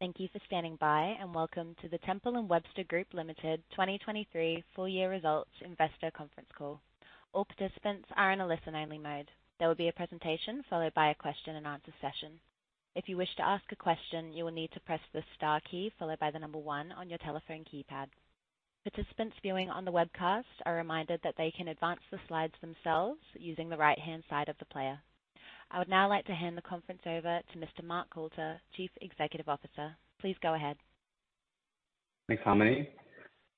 Thank you for standing by, and welcome to the Temple & Webster Group Limited 2023 Full Year Results Investor Conference Call. All participants are in a listen-only mode. There will be a presentation, followed by a question and answer session. If you wish to ask a question, you will need to press the star key followed by one on your telephone keypad. Participants viewing on the webcast are reminded that they can advance the slides themselves using the right-hand side of the player. I would now like to hand the conference over to Mr. Mark Coulter, Chief Executive Officer. Please go ahead. Thanks, Harmony.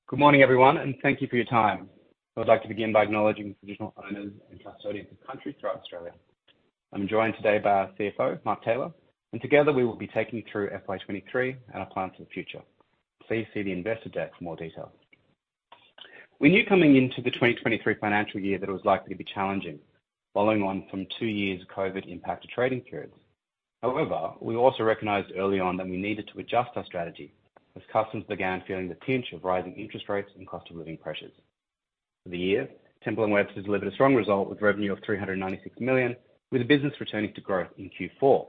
Good morning, everyone, and thank you for your time. I would like to begin by acknowledging the traditional owners and custodians of the country throughout Australia. I'm joined today by our CFO, Mark Taylor, and together we will be taking you through FY23 and our plans for the future. Please see the investor deck for more details. We knew coming into the 2023 financial year that it was likely to be challenging, following on from 2 years of COVID-impacted trading periods. We also recognized early on that we needed to adjust our strategy as customers began feeling the pinch of rising interest rates and cost of living pressures. For the year, Temple & Webster delivered a strong result with revenue of 396 million, with the business returning to growth in Q4.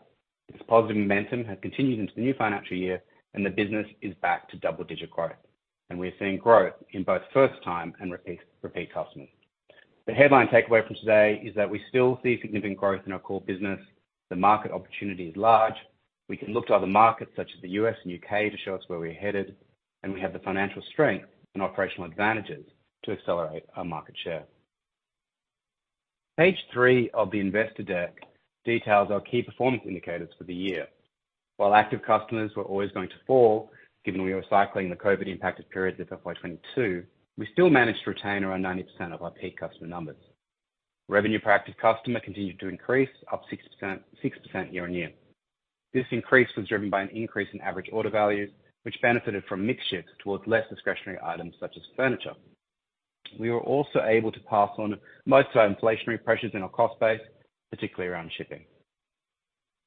This positive momentum has continued into the new financial year, the business is back to double-digit growth, and we are seeing growth in both first-time and repeat customers. The headline takeaway from today is that we still see significant growth in our core business. The market opportunity is large. We can look to other markets such as the U.S. and U.K. to show us where we're headed, and we have the financial strength and operational advantages to accelerate our market share. Page 3 of the investor deck details our key performance indicators for the year. While active customers were always going to fall, given we were cycling the COVID-impacted periods of FY22, we still managed to retain around 90% of our peak customer numbers. Revenue per active customer continued to increase, up 6% year-on-year. This increase was driven by an increase in average order value, which benefited from mix shifts towards less discretionary items such as furniture. We were also able to pass on most of our inflationary pressures in our cost base, particularly around shipping.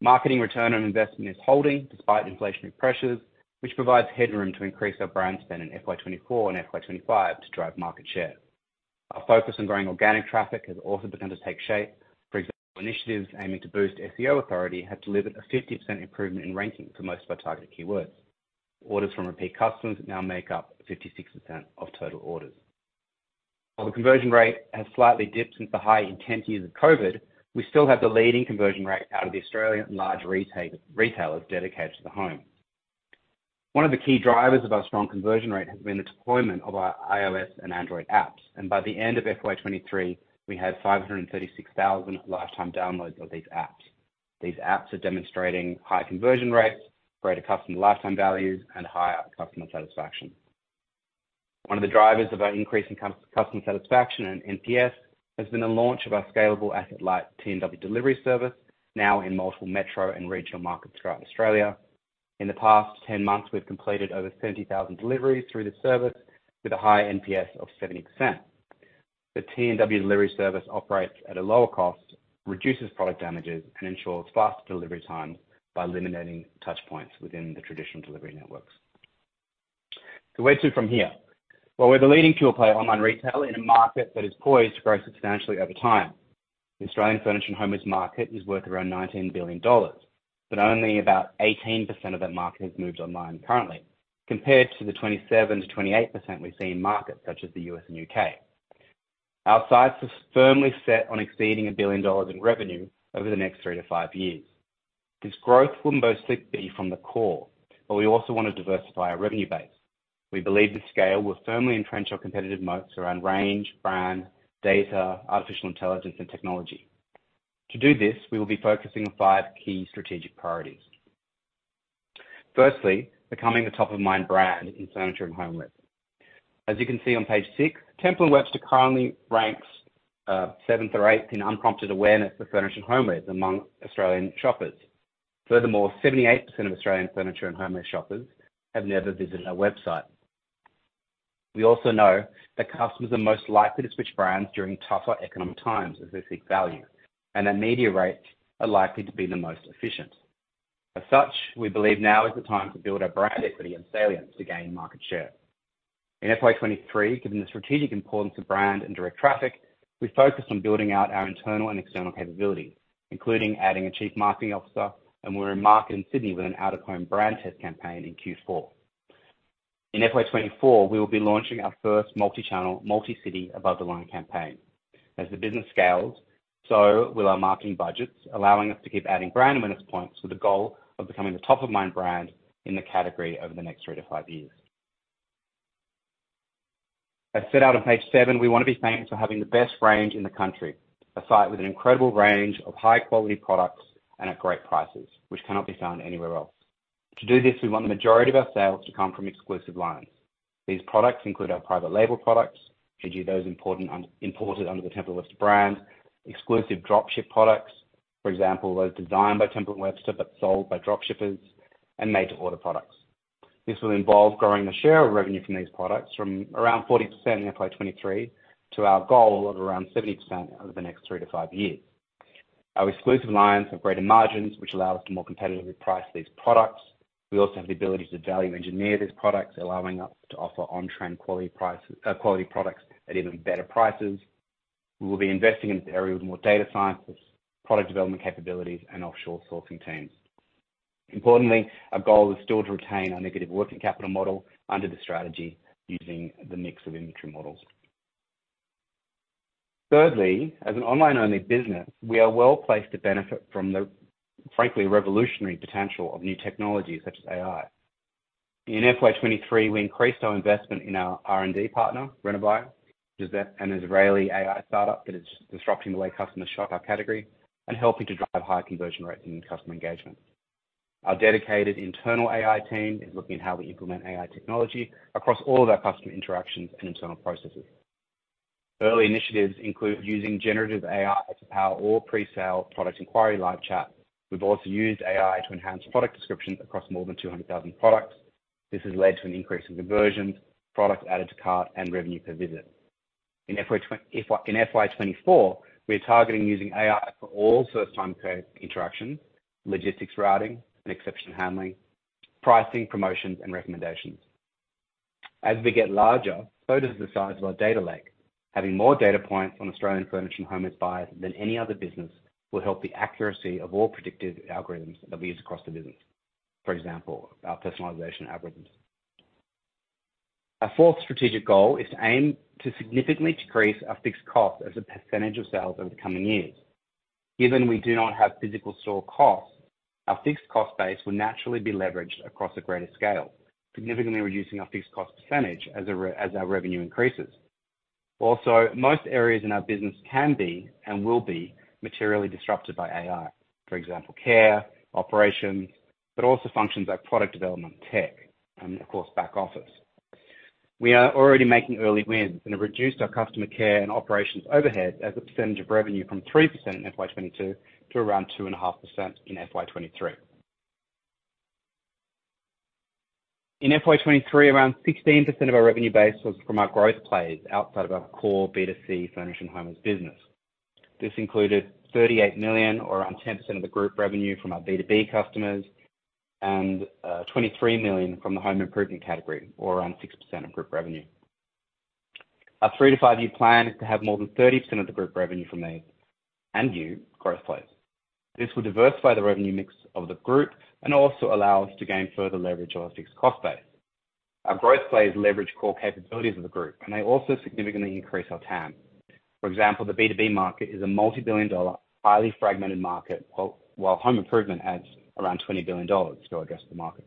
Marketing return on investment is holding despite inflationary pressures, which provides headroom to increase our brand spend in FY24 and FY25 to drive market share. Our focus on growing organic traffic has also begun to take shape. For example, initiatives aiming to boost SEO authority have delivered a 50% improvement in ranking for most of our targeted keywords. Orders from repeat customers now make up 56% of total orders. While the conversion rate has slightly dipped into the high intensities of COVID, we still have the leading conversion rate out of the Australian large retailers dedicated to the home. One of the key drivers of our strong conversion rate has been the deployment of our iOS and Android apps, and by the end of FY23, we had 536,000 lifetime downloads of these apps. These apps are demonstrating high conversion rates, greater customer lifetime values, and higher customer satisfaction. One of the drivers of our increase in customer satisfaction and NPS has been the launch of our scalable asset-light T&W delivery service, now in multiple metro and regional markets throughout Australia. In the past 10 months, we've completed over 70,000 deliveries through the service with a high NPS of 70%. The T&W delivery service operates at a lower cost, reduces product damages, and ensures faster delivery times by eliminating touch points within the traditional delivery networks. Where to from here? Well, we're the leading pure-play online retailer in a market that is poised to grow substantially over time. The Australian furniture and homewares market is worth around 19 billion dollars, but only about 18% of that market has moved online currently, compared to the 27%-28% we see in markets such as the U.S. and U.K. Our sights are firmly set on exceeding 1 billion dollars in revenue over the next three to five years. This growth will mostly be from the core, we also want to diversify our revenue base. We believe the scale will firmly entrench our competitive moats around range, brand, data, artificial intelligence, and technology. To do this, we will be focusing on five key strategic priorities. Firstly, becoming a top-of-mind brand in furniture and home goods. As you can see on page 6, Temple & Webster currently ranks, seventh or eighth in unprompted awareness of furniture and home goods among Australian shoppers. 78% of Australian furniture and home goods shoppers have never visited our website. We also know that customers are most likely to switch brands during tougher economic times as they seek value, where media rates are likely to be the most efficient. We believe now is the time to build our brand equity and salience to gain market share. In FY23, given the strategic importance of brand and direct traffic, we focused on building out our internal and external capabilities, including adding a Chief Marketing Officer, we're in market in Sydney with an out-of-home brand test campaign in Q4. In FY24, we will be launching our first multi-channel, multi-city above-the-line campaign. As the business scales, so will our marketing budgets, allowing us to keep adding brand awareness points with the goal of becoming the top-of-mind brand in the category over the next three to five years. As set out on page seven, we want to be famous for having the best range in the country, a site with an incredible range of high-quality products and at great prices, which cannot be found anywhere else. To do this, we want the majority of our sales to come from exclusive lines. These products include our private label products, usually those imported under the Temple & Webster brand, exclusive dropship products, for example, those designed by Temple & Webster but sold by dropshippers, and made-to-order products. This will involve growing the share of revenue from these products from around 40% in FY23 to our goal of around 70% over the next 3 to 5 years. Our exclusive lines have greater margins, which allow us to more competitively price these products. We also have the ability to value-engineer these products, allowing us to offer on-trend quality price, quality products at even better prices. We will be investing in this area with more data sciences, product development capabilities, and offshore sourcing teams. Importantly, our goal is still to retain our negative working capital model under the strategy using the mix of inventory models. Thirdly, as an online-only business, we are well-placed to benefit from the, frankly, revolutionary potential of new technologies such as AI. In FY23, we increased our investment in our R&D partner, Renovai, which is an Israeli AI startup that is disrupting the way customers shop our category and helping to drive high conversion rates and customer engagement. Our dedicated internal AI team is looking at how we implement AI technology across all of our customer interactions and internal processes. Early initiatives include using generative AI to power all pre-sale product inquiry live chat. We've also used AI to enhance product descriptions across more than 200,000 products. This has led to an increase in conversions, products added to cart, and revenue per visit. In FY24, we are targeting using AI for all first-time care interactions, logistics routing and exception handling, pricing, promotions, and recommendations. As we get larger, so does the size of our data lake. Having more data points on Australian furnishing home buyers than any other business, will help the accuracy of all predictive algorithms that'll be used across the business. For example, our personalization algorithms. Our fourth strategic goal is to aim to significantly decrease our fixed cost as a percentage of sales over the coming years. Given we do not have physical store costs, our fixed cost base will naturally be leveraged across a greater scale, significantly reducing our fixed cost percentage as our revenue increases. Also, most areas in our business can be and will be materially disrupted by AI. For example, care, operations, but also functions like product development, tech, and of course, back office. We are already making early wins and have reduced our customer care and operations overhead as a percentage of revenue from 3% in FY22 to around 2.5% in FY23. In FY23, around 16% of our revenue base was from our growth plays outside of our core B2C furnishing homes business. This included 38 million, or around 10% of the group revenue from our B2B customers, and 23 million from the home improvement category, or around 6% of group revenue. Our 3-to-5-year plan is to have more than 30% of the group revenue from these and new growth plays. This will diversify the revenue mix of the group and also allow us to gain further leverage on our fixed cost base. Our growth plays leverage core capabilities of the group, and they also significantly increase our TAM. For example, the B2B market is a multi-billion dollar, highly fragmented market, while home improvement adds around 20 billion dollars to address the market.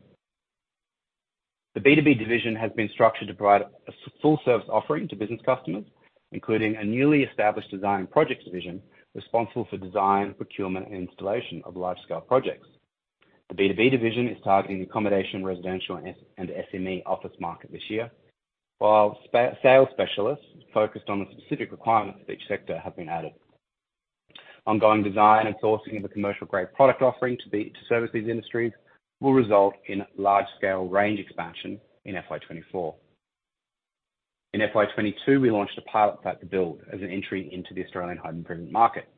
The B2B division has been structured to provide a full service offering to business customers, including a newly established design and projects division, responsible for design, procurement, and installation of large-scale projects. The B2B division is targeting accommodation, residential, and SME office market this year, while sales specialists focused on the specific requirements of each sector have been added. Ongoing design and sourcing of a commercial-grade product offering to service these industries will result in large-scale range expansion in FY24. In FY22, we launched a pilot site to The Build as an entry into the Australian home improvement market.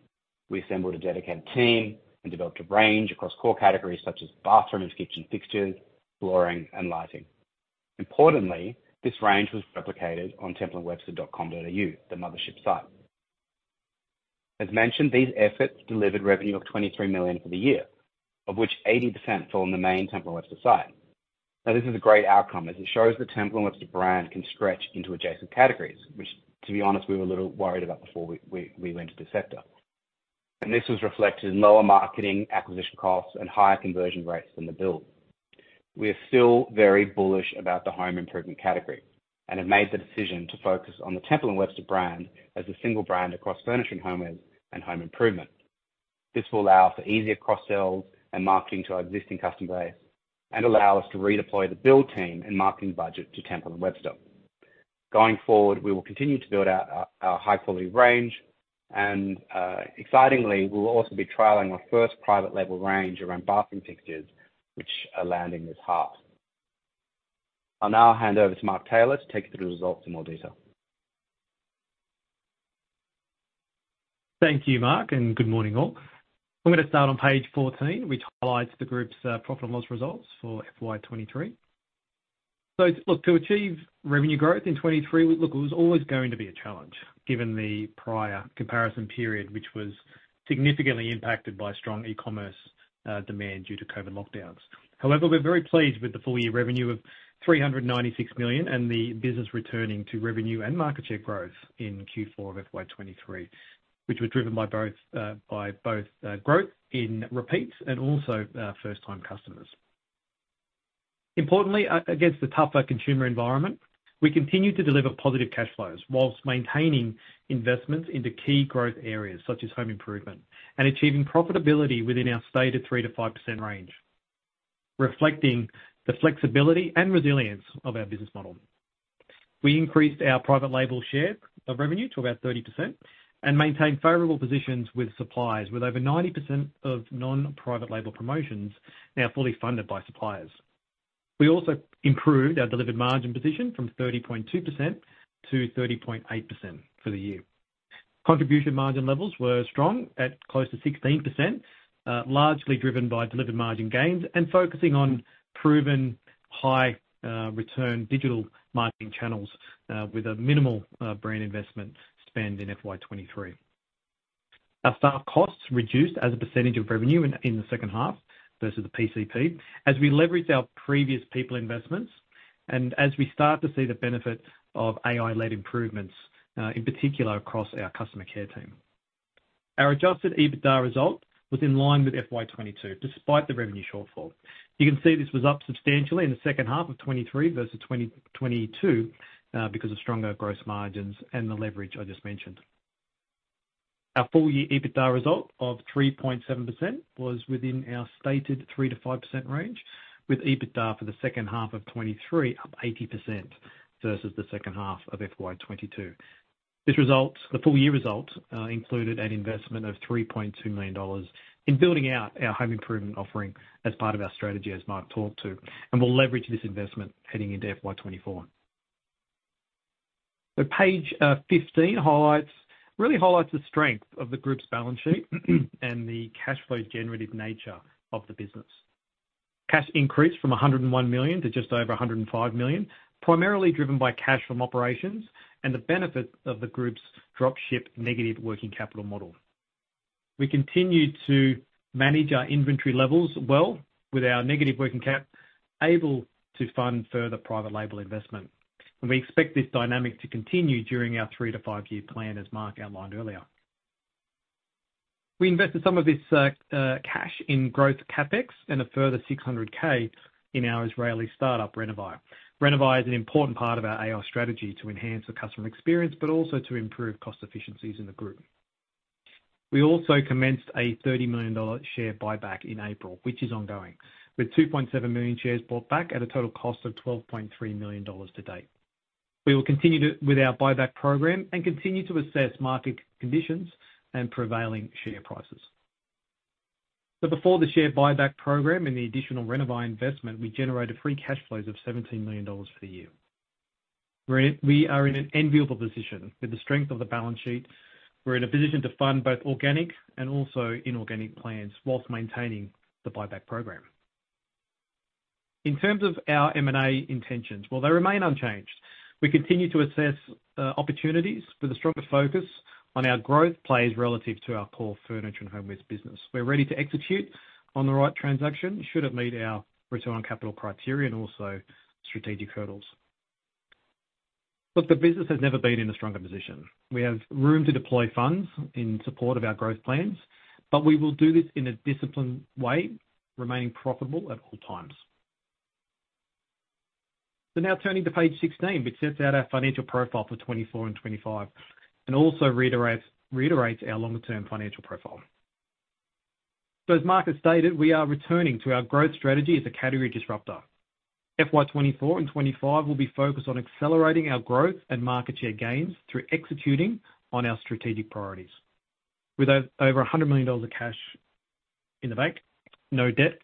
We assembled a dedicated team and developed a range across core categories such as bathroom and kitchen fixtures, flooring, and lighting. Importantly, this range was replicated on templeandwebster.com.au, the mothership site. As mentioned, these efforts delivered revenue of 23 million for the year, of which 80% fell on the main Temple & Webster site. This is a great outcome, as it shows the Temple & Webster brand can stretch into adjacent categories, which, to be honest, we were a little worried about before we went to the sector. This was reflected in lower marketing acquisition costs and higher conversion rates than The Build. We are still very bullish about the home improvement category, and have made the decision to focus on the Temple & Webster brand as the single brand across furnishing homes and home improvement. This will allow for easier cross-sells and marketing to our existing customer base and allow us to redeploy The Build team and marketing budget to Temple & Webster. Going forward, we will continue to build out our, our high-quality range, and, excitingly, we will also be trialing our first private label range around bathroom fixtures, which are landing this half. I'll now hand over to Mark Taylor to take you through the results in more detail. Thank you, Mark, and good morning, all. I'm gonna start on page 14, which highlights the group's profit and loss results for FY23. Look, to achieve revenue growth in 2023, look, it was always going to be a challenge, given the prior comparison period, which was significantly impacted by strong e-commerce demand due to COVID lockdowns. However, we're very pleased with the full year revenue of 396 million, and the business returning to revenue and market share growth in Q4 of FY23, which was driven by both by both growth in repeats and also first-time customers. Importantly, against the tougher consumer environment, we continued to deliver positive cash flows whilst maintaining investments into key growth areas such as home improvement, and achieving profitability within our stated 3%-5% range, reflecting the flexibility and resilience of our business model. We increased our private label share of revenue to about 30% and maintained favorable positions with suppliers, with over 90% of non-private label promotions now fully funded by suppliers. We improved our delivered margin position from 30.2%-30.8% for the year. Contribution margin levels were strong at close to 16%, largely driven by delivered margin gains and focusing on proven high return digital marketing channels, with a minimal brand investment spend in FY23. Our stock costs reduced as a percentage of revenue in the second half versus the PCP, as we leveraged our previous people investments and as we start to see the benefit of AI-led improvements in particular across our customer care team. Our Adjusted EBITDA result was in line with FY22, despite the revenue shortfall. You can see this was up substantially in the second half of 2023 versus 2022 because of stronger gross margins and the leverage I just mentioned. Our full year EBITDA result of 3.7% was within our stated 3%-5% range, with EBITDA for the second half of 2023, up 80% versus the second half of FY22. This result, the full year result, included an investment of 3.2 million dollars in building out our home improvement offering as part of our strategy, as Mark talked to, and we'll leverage this investment heading into FY24. Page 15 highlights, really highlights the strength of the group's balance sheet and the cash flow generative nature of the business. Cash increased from 101 million to just over 105 million, primarily driven by cash from operations and the benefit of the group's drop ship negative working capital model. We continued to manage our inventory levels well with our negative working cap, able to fund further private label investment, and we expect this dynamic to continue during our 3-5-year plan, as Mark outlined earlier. We invested some of this cash in growth CapEx and a further 600K in our Israeli startup, Renovai. Renovai is an important part of our AI strategy to enhance the customer experience, also to improve cost efficiencies in the group. We also commenced an 30 million dollar share buyback in April, which is ongoing, with 2.7 million shares bought back at a total cost of 12.3 million dollars to date. We will continue with our buyback program and continue to assess market conditions and prevailing share prices. Before the share buyback program and the additional Renovai investment, we generated free cash flows of 17 million dollars for the year. We are in an enviable position. With the strength of the balance sheet, we're in a position to fund both organic and also inorganic plans whilst maintaining the buyback program. In terms of our M&A intentions, well, they remain unchanged. We continue to assess opportunities with a stronger focus on our growth plays relative to our core furniture and home goods business. We're ready to execute on the right transaction, should it meet our return on capital criteria and also strategic hurdles. Look, the business has never been in a stronger position. We have room to deploy funds in support of our growth plans, but we will do this in a disciplined way, remaining profitable at all times. Now turning to page 16, which sets out our financial profile for 2024 and 2025, and also reiterates, reiterates our longer-term financial profile. As Mark has stated, we are returning to our growth strategy as a category disruptor. FY24 and 25 will be focused on accelerating our growth and market share gains through executing on our strategic priorities. With over 100 million dollars of cash in the bank, no debt,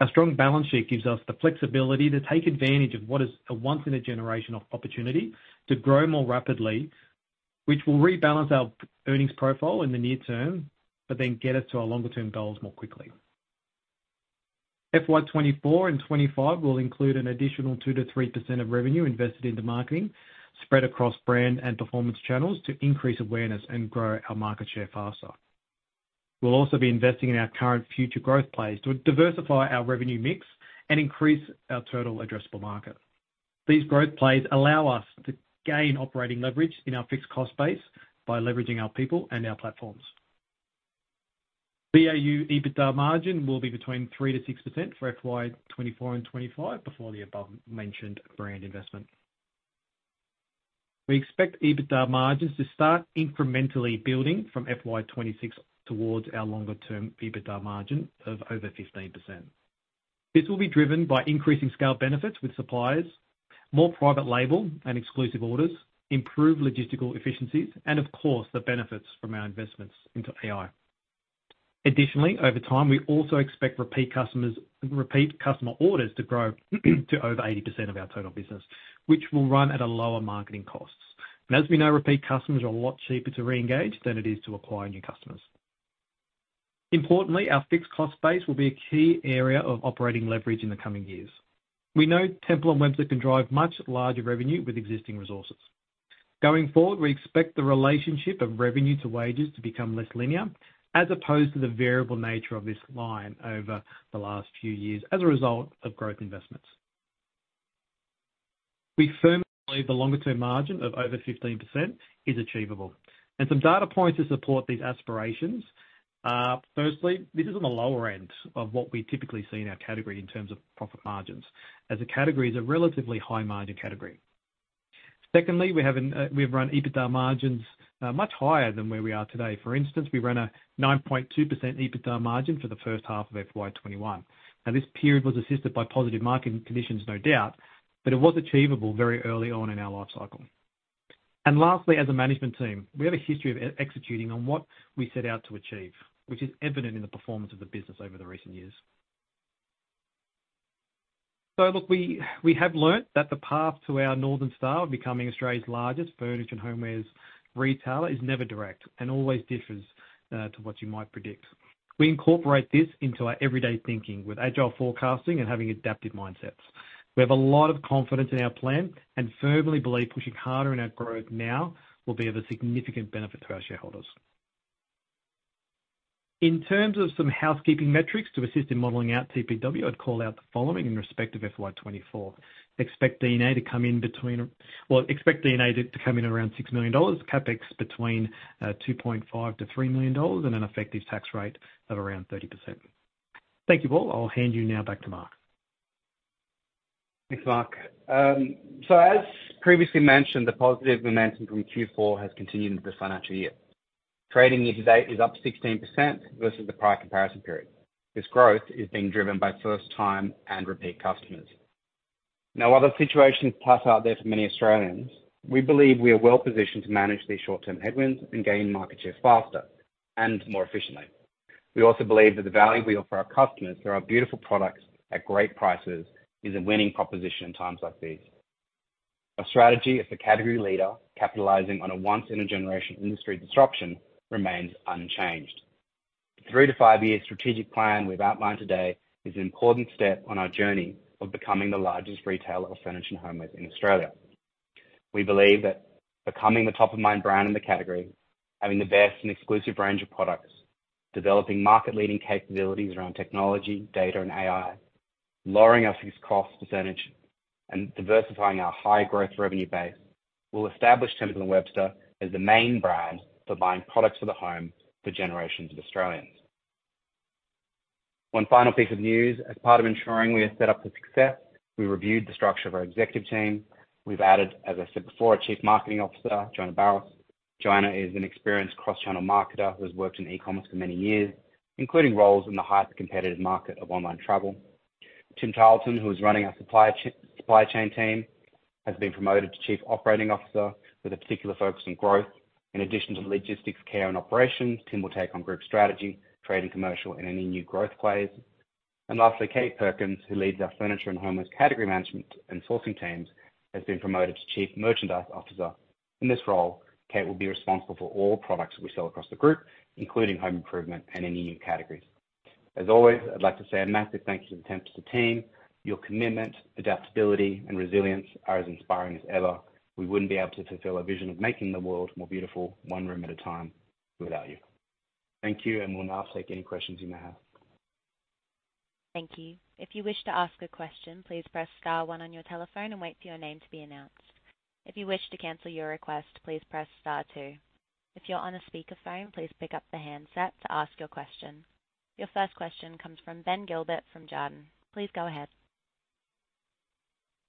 our strong balance sheet gives us the flexibility to take advantage of what is a once-in-a-generation opportunity to grow more rapidly, which will rebalance our earnings profile in the near term, but then get us to our longer-term goals more quickly. FY24 and 25 will include an additional 2%-3% of revenue invested into marketing, spread across brand and performance channels to increase awareness and grow our market share faster. We'll also be investing in our current future growth plays to diversify our revenue mix and increase our TAM. These growth plays allow us to gain operating leverage in our fixed cost base by leveraging our people and our platforms. BAU EBITDA margin will be between 3%-6% for FY24 and FY25 before the above-mentioned brand investment. We expect EBITDA margins to start incrementally building from FY26 towards our longer-term EBITDA margin of over 15%. This will be driven by increasing scale benefits with suppliers, more private label and exclusive orders, improved logistical efficiencies, and of course, the benefits from our investments into AI. Additionally, over time, we also expect repeat customer orders to grow to over 80% of our total business, which will run at a lower marketing cost. As we know, repeat customers are a lot cheaper to reengage than it is to acquire new customers. Importantly, our fixed cost base will be a key area of operating leverage in the coming years. We know Temple & Webster can drive much larger revenue with existing resources. Going forward, we expect the relationship of revenue to wages to become less linear, as opposed to the variable nature of this line over the last few years as a result of growth investments. We firmly believe the longer-term margin of over 15% is achievable, and some data points to support these aspirations are, firstly, this is on the lower end of what we typically see in our category in terms of profit margins, as the category is a relatively high-margin category. Secondly, we have we've run EBITDA margins much higher than where we are today. For instance, we ran a 9.2% EBITDA margin for the first half of FY21. This period was assisted by positive market conditions, no doubt, but it was achievable very early on in our life cycle. Lastly, as a management team, we have a history of executing on what we set out to achieve, which is evident in the performance of the business over the recent years. Look, we have learned that the path to our North Star of becoming Australia's largest furniture and homewares retailer is never direct and always differs to what you might predict. We incorporate this into our everyday thinking with agile forecasting and having adaptive mindsets. We have a lot of confidence in our plan and firmly believe pushing harder in our growth now will be of a significant benefit to our shareholders. In terms of some housekeeping metrics to assist in modeling out TPW, I'd call out the following in respect of FY24. Expect D&A to come in between. Well, expect D&A to come in around 6 million dollars, CapEx between 2.5 million-3 million dollars, and an effective tax rate of around 30%. Thank you, all. I'll hand you now back to Mark. Thanks, Mark. As previously mentioned, the positive momentum from Q4 has continued into this financial year. Trading year to date is up 16% versus the prior comparison period. This growth is being driven by first-time and repeat customers. While the situation is tough out there for many Australians, we believe we are well positioned to manage these short-term headwinds and gain market share faster and more efficiently. We also believe that the value we offer our customers through our beautiful products at great prices is a winning proposition in times like these. Our strategy as a category leader, capitalizing on a once-in-a-generation industry disruption, remains unchanged. The three to five-year strategic plan we've outlined today is an important step on our journey of becoming the largest retailer of furniture and homewares in Australia. We believe that becoming the top-of-mind brand in the category, having the best and exclusive range of products, developing market-leading capabilities around technology, data, and AI, lowering our fixed cost percentage, and diversifying our high-growth revenue base, will establish Temple & Webster as the main brand for buying products for the home for generations of Australians. One final piece of news. As part of ensuring we are set up for success, we reviewed the structure of our executive team. We've added, as I said before, a Chief Marketing Officer, Joanna Barr. Joanna is an experienced cross-channel marketer who has worked in e-commerce for many years, including roles in the highly competitive market of online travel. Tim Charlton, who is running our supply chain team, has been promoted to Chief Operating Officer with a particular focus on growth. In addition to the logistics, care, and operations, Tim will take on group strategy, trade, and commercial, and any new growth plays. Lastly, Kate Perkins, who leads our furniture and homewares category management and sourcing teams, has been promoted to Chief Merchandise Officer. In this role, Kate will be responsible for all products we sell across the group, including home improvement and any new categories. As always, I'd like to say a massive thank you to the Temple team. Your commitment, adaptability, and resilience are as inspiring as ever. We wouldn't be able to fulfill our vision of making the world more beautiful, one room at a time, without you. Thank you. We'll now take any questions you may have. Thank you. If you wish to ask a question, please press star one on your telephone and wait for your name to be announced. If you wish to cancel your request, please press star two. If you're on a speakerphone, please pick up the handset to ask your question. Your first question comes from Ben Gilbert from Jarden. Please go ahead.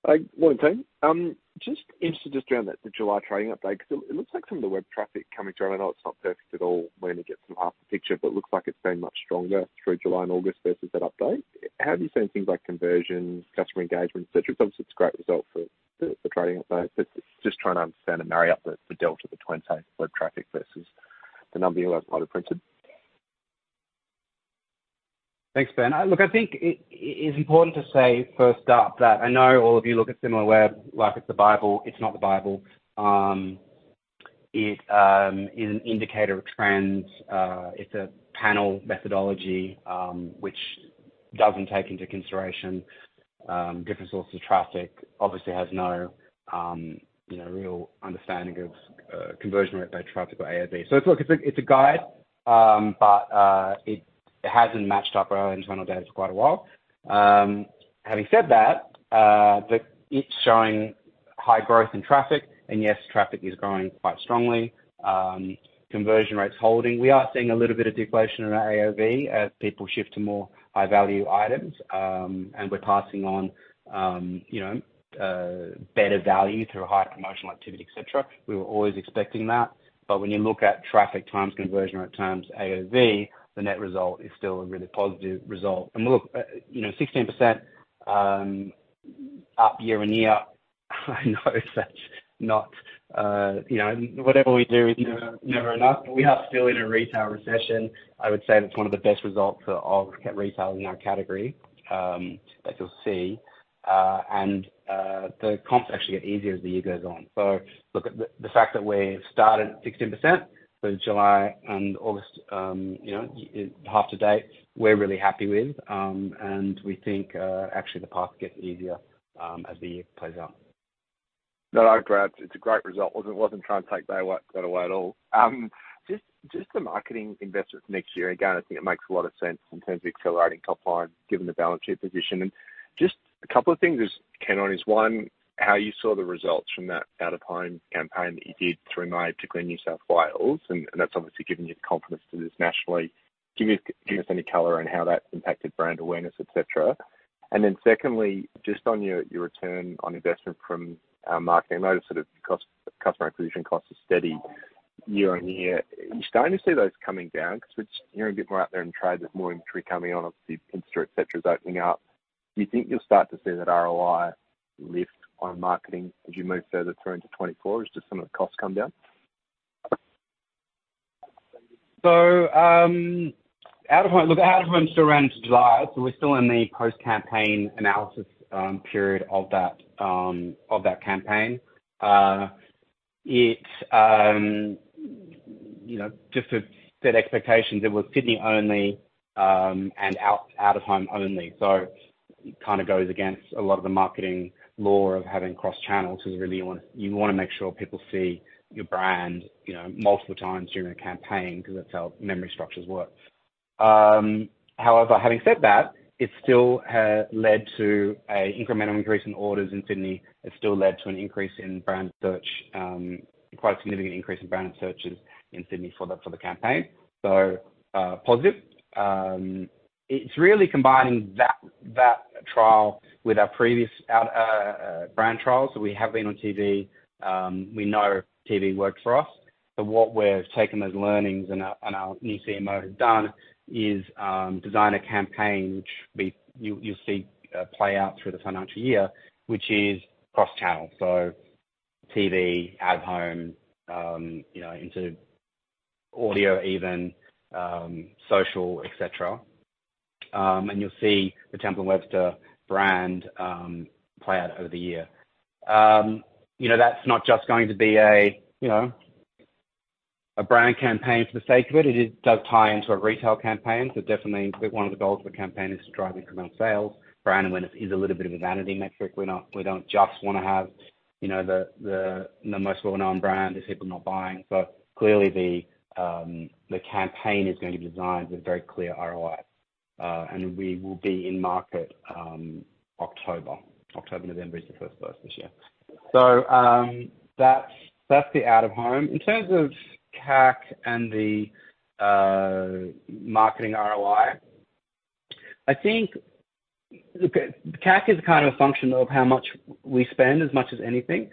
Hi. Morning, team. Just interested just around the July trading update, because it looks like some of the web traffic coming through, I know it's not perfect at all, we only get half the picture, but it looks like it's been much stronger through July and August versus that update. How have you seen things like conversions, customer engagement, etc.? Obviously, it's a great result for trading update. Just trying to understand and marry up the delta between, say, web traffic versus the number you have printed. Thanks, Ben. Look, I think it is important to say first up, that I know all of you look at Similarweb like it's the Bible. It's not the Bible. It is an indicator of trends. It's a panel methodology, which doesn't take into consideration, different sources of traffic. Obviously, has no, you know, real understanding of conversion rate by traffic or AOV. Look, it's a, it's a guide, but it hasn't matched up our own internal data for quite a while. Having said that, it's showing high growth in traffic, and yes, traffic is growing quite strongly. Conversion rates holding. We are seeing a little bit of deflation in our AOV as people shift to more high-value items, and we're passing on, you know, better value through higher promotional activity, et cetera. We were always expecting that. When you look at traffic times conversion rate times AOV, the net result is still a really positive result. Look, you know, 16% up year-on-year, I know that's not-- You know, whatever we do is never, never enough, but we are still in a retail recession. I would say that's one of the best results for all retail in our category that you'll see. The comps actually get easier as the year goes on. Look, at the fact that we've started 16% for July and August, you know, half to date, we're really happy with. We think, actually, the path gets easier as the year plays out. No, I agree. It's a great result. Wasn't, wasn't trying to take that away, that away at all. Just, just the marketing investments next year, again, I think it makes a lot of sense in terms of accelerating top line, given the balance sheet position. Just a couple of things as to keen on is, one, how you saw the results from that out-of-home campaign that you did through May, particularly in New South Wales, that's obviously given you the confidence to this nationally. Give you, give us any color on how that's impacted brand awareness, et cetera. Secondly, just on your, your return on investment from marketing. I noticed that the cost, customer acquisition cost is steady.... Year-on-year, you're starting to see those coming down, 'cause which you're a bit more out there in trade, with more inventory coming on, obviously, Insta, et cetera, is opening up. Do you think you'll start to see that ROI lift on marketing as you move further through into 2024 as just some of the costs come down? Out-of-home, look, out-of-home still ran into July, so we're still in the post-campaign analysis period of that, of that campaign. It, you know, just to set expectations, it was Sydney only, and out-of-home only. It kind of goes against a lot of the marketing lore of having cross-channel, because really you want, you want to make sure people see your brand, you know, multiple times during a campaign, 'cause that's how memory structures work. However, having said that, it still led to a incremental increase in orders in Sydney. It still led to an increase in brand search, quite a significant increase in brand searches in Sydney for the, for the campaign. Positive. It's really combining that, that trial with our previous out, brand trials. We have been on TV. We know TV worked for us. What we've taken those learnings and our, and our new CMO has done is design a campaign which you'll, you'll see play out through the financial year, which is cross-channel, so TV, out-of-home, you know, into audio even, social, et cetera. You'll see the Temple & Webster brand play out over the year. You know, that's not just going to be a, you know, a brand campaign for the sake of it. It is, does tie into a retail campaign. Definitely one of the goals of the campaign is to drive incremental sales. Brand awareness is a little bit of a vanity metric. We're not. We don't just want to have, you know, the, the, the most well-known brand, is people not buying. Clearly the campaign is going to be designed with very clear ROI, and we will be in market, October. October, November is the first place this year. That's the out-of-home. In terms of CAC and the marketing ROI, I think, look, CAC is kind of a function of how much we spend, as much as anything.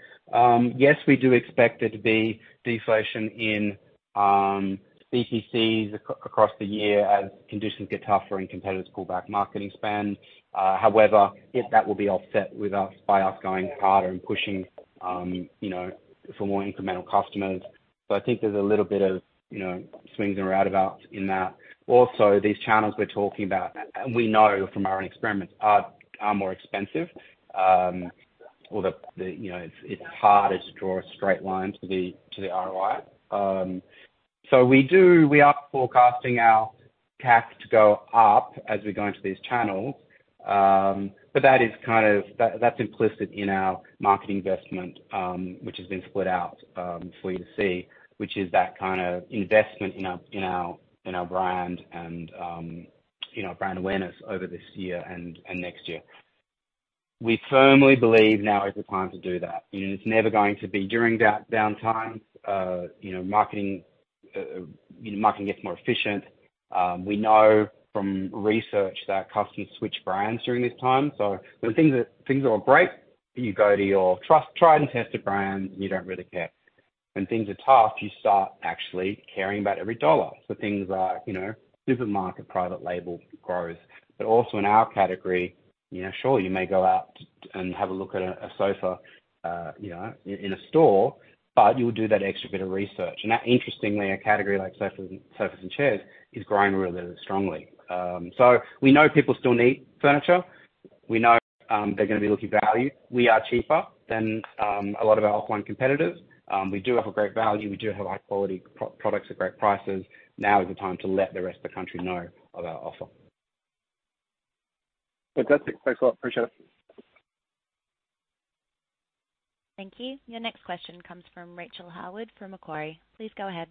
Yes, we do expect there to be deflation in CPCs across the year as conditions get tougher and competitors pull back marketing spend. If that will be offset with us, by us going harder and pushing, you know, for more incremental customers. I think there's a little bit of, you know, swings and roundabouts in that. These channels we're talking about, and we know from our own experiments, are more expensive. Or the, the, you know, it's, it's harder to draw a straight line to the, to the ROI. We do, we are forecasting our CAC to go up as we go into these channels. That, that's implicit in our marketing investment, which has been split out for you to see, which is that investment in our, in our, in our brand and, you know, brand awareness over this year and, and next year. We firmly believe now is the time to do that, and it's never going to be during down, downtime. You know, marketing, you know, marketing gets more efficient. We know from research that customers switch brands during this time. When things are, things are all great, you go to your trust, tried-and-tested brand, and you don't really care. When things are tough, you start actually caring about every dollar. Things like, you know, supermarket, private label grows, but also in our category, you know, surely you may go out and have a look at a, a sofa, you know, in, in a store, but you'll do that extra bit of research. That, interestingly, a category like sofas and, sofas and chairs is growing really strongly. We know people still need furniture. We know, they're going to be looking at value. We are cheaper than, a lot of our offline competitors. We do have a great value. We do have high-quality products at great prices. Now is the time to let the rest of the country know of our offer. Fantastic. Thanks a lot. Appreciate it. Thank you. Your next question comes from Rachael Harwood, from Macquarie. Please go ahead.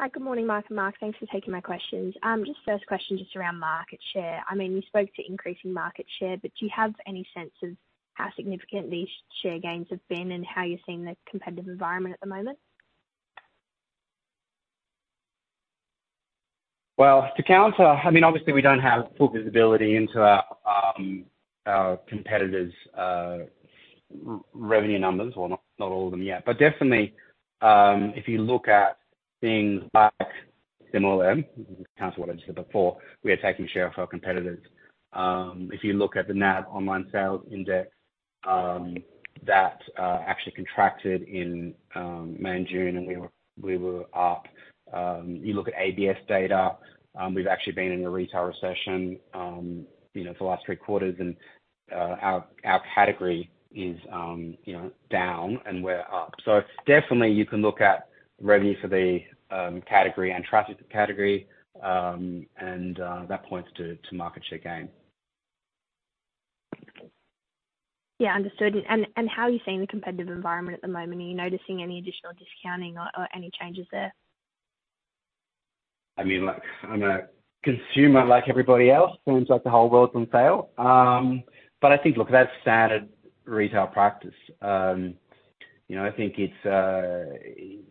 Hi, good morning, Mike and Mark. Thanks for taking my questions. Just first question, just around market share. I mean, you spoke to increasing market share, but do you have any sense of how significant these share gains have been and how you're seeing the competitive environment at the moment? Well, to counter, I mean, obviously, we don't have full visibility into our competitors' revenue numbers or not, not all of them yet. Definitely, if you look at things like similar, counter what I just said before, we are taking share of our competitors. If you look at the NAB Online Retail Sales Index, that actually contracted in May and June, and we were, we were up. You look at ABS data, we've actually been in a retail recession, you know, for the last three quarters, and our category is, you know, down and we're up. Definitely you can look at revenue for the category and traffic category, and that points to market share gain. Yeah. Understood. and how are you seeing the competitive environment at the moment? Are you noticing any additional discounting or, or any changes there? I mean, look, I'm a consumer like everybody else. Seems like the whole world's on sale. I think, look, that's standard retail practice. You know, I think it's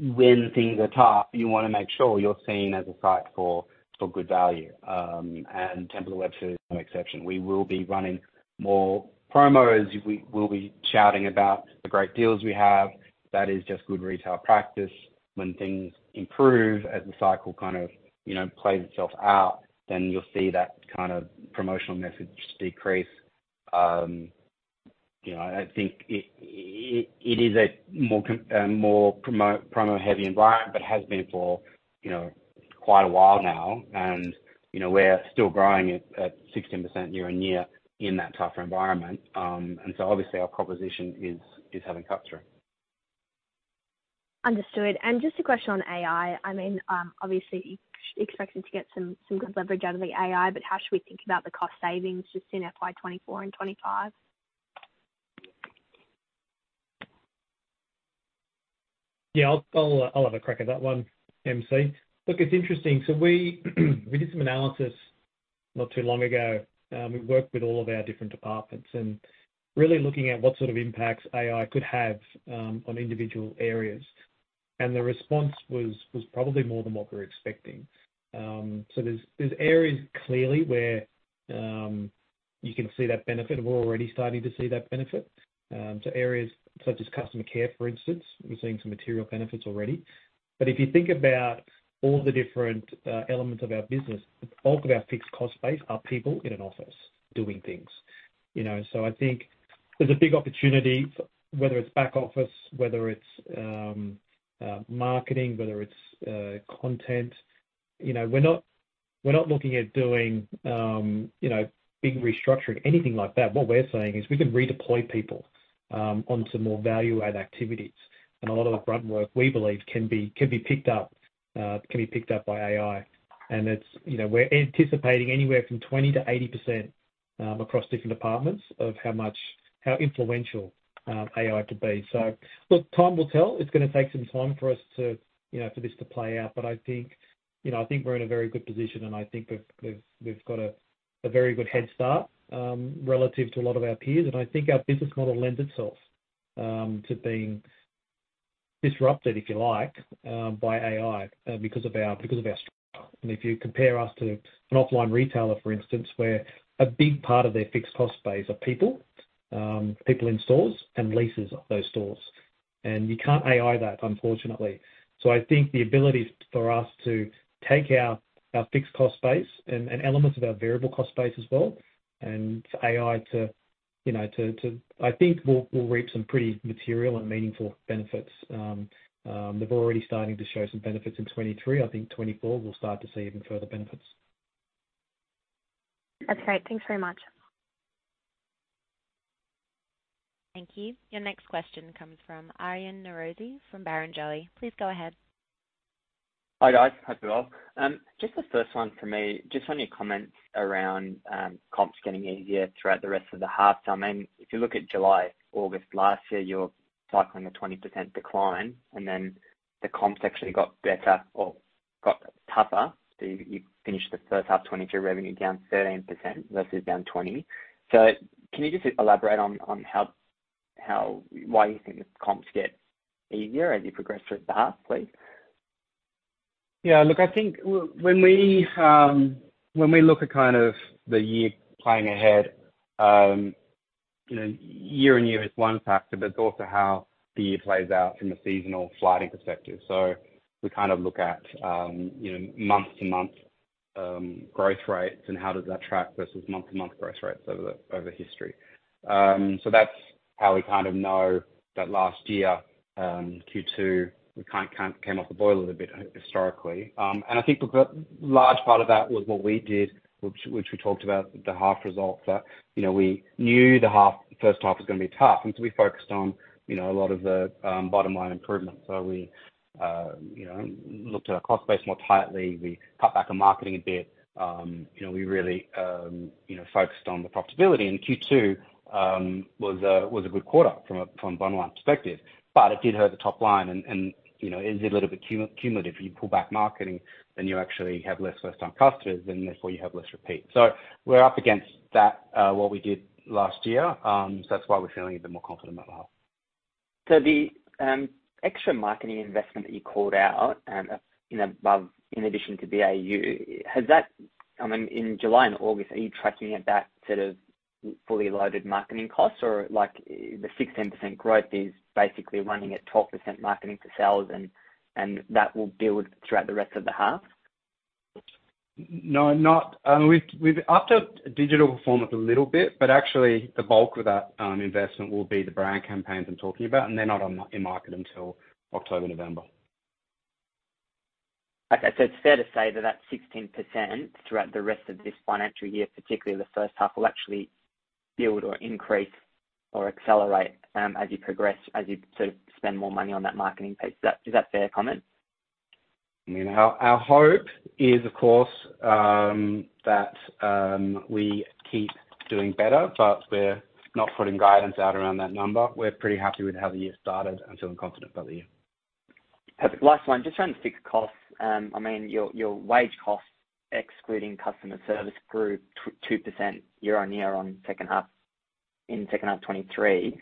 when things are tough, you wanna make sure you're seen as a site for, for good value. Temple & Webster is no exception. We will be running more promos. We, we'll be shouting about the great deals we have. That is just good retail practice. When things improve, as the cycle kind of, you know, plays itself out, you'll see that kind of promotional message decrease. You know, I think it, it, it is a more com-- more promo, promo-heavy environment, has been for, you know, quite a while now. You know, we're still growing at, at 16% year-on-year in that tougher environment. So obviously our proposition is, is having cut through. Understood. Just a question on AI. I mean, obviously expecting to get some, some good leverage out of the AI, but how should we think about the cost savings just in FY 2024 and 2025? Yeah, I'll, I'll, I'll have a crack at that one, MC. Look, it's interesting. We, we did some analysis not too long ago. We worked with all of our different departments and really looking at what sort of impacts AI could have on individual areas. The response was, was probably more than what we were expecting. There's, there's areas clearly where you can see that benefit, and we're already starting to see that benefit. Areas such as customer care, for instance, we're seeing some material benefits already. If you think about all the different elements of our business, the bulk of our fixed cost base are people in an office doing things, you know? I think there's a big opportunity, whether it's back office, whether it's marketing, whether it's content, you know, we're not, we're not looking at doing, you know, big restructuring, anything like that. What we're saying is we can redeploy people onto more value-add activities. A lot of the grunt work, we believe, can be, can be picked up, can be picked up by AI. It's, you know, we're anticipating anywhere from 20%-80%, across different departments of how influential AI could be. Look, time will tell. It's gonna take some time for us to, you know, for this to play out. I think, you know, I think we're in a very good position, and I think we've, we've, we've got a, a very good head start, relative to a lot of our peers. I think our business model lends itself to being disrupted, if you like, by AI, because of our, because of our structure. If you compare us to an offline retailer, for instance, where a big part of their fixed cost base are people, people in stores and leases of those stores. You can't AI that, unfortunately. I think the ability for us to take our, our fixed cost base and, and elements of our variable cost base as well, and for AI to, you know, I think we'll, we'll reap some pretty material and meaningful benefits. They've already starting to show some benefits in 2023. I think 2024, we'll start to see even further benefits. That's great. Thanks very much. Thank you. Your next question comes from Aryan Norozi from Barrenjoey. Please go ahead. Hi, guys. Hope you're well. just the first one for me, just on your comments around, comps getting easier throughout the rest of the half. I mean, if you look at July, August last year, you were cycling a 20% decline. Then the comps actually got better or got tougher. You finished the first half of 2022, revenue down 13%, versus down 20. Can you just elaborate on how why you think the comps get easier as you progress through the half, please? Yeah, look, I think when we, when we look at kind of the year playing ahead, you know, year and year is 1 factor, it's also how the year plays out from a seasonal fleeting perspective. We kind of look at, you know, month to month growth rates and how does that track versus month to month growth rates over the, over history. That's how we kind of know that last year, Q2, we kind of came off the boil a little bit historically. I think a large part of that was what we did, which, which we talked about the half results that, you know, we knew the half, first half was going to be tough, we focused on, you know, a lot of the bottom line improvements. We, you know, looked at our cost base more tightly. We cut back on marketing a bit. You know, we really, you know, focused on the profitability. Q2 was a good quarter from a bottom line perspective, but it did hurt the top line and, you know, is a little bit cumulative. If you pull back marketing, then you actually have less first-time customers, and therefore, you have less repeat. We're up against that, what we did last year. That's why we're feeling a bit more confident about the half. The extra marketing investment that you called out, and, you know, in addition to the AU, I mean, in July and August, are you tracking it back to the fully loaded marketing costs? Like the 16% growth is basically running at 12% marketing to sales, and that will build throughout the rest of the half? No, not... We've, we've upped our digital performance a little bit, but actually the bulk of that investment will be the brand campaigns I'm talking about, and they're not on, in market until October, November. Okay. It's fair to say that that 16% throughout the rest of this financial year, particularly the 1st half, will actually build or increase or accelerate, as you progress, as you sort of spend more money on that marketing piece. Is that, is that a fair comment? You know, our, our hope is, of course, that, we keep doing better, but we're not putting guidance out around that number. We're pretty happy with how the year started and feeling confident about the year. Perfect. Last one, just around the fixed costs. I mean, your, your wage costs, excluding customer service, grew 2% YoY in the second half 2023.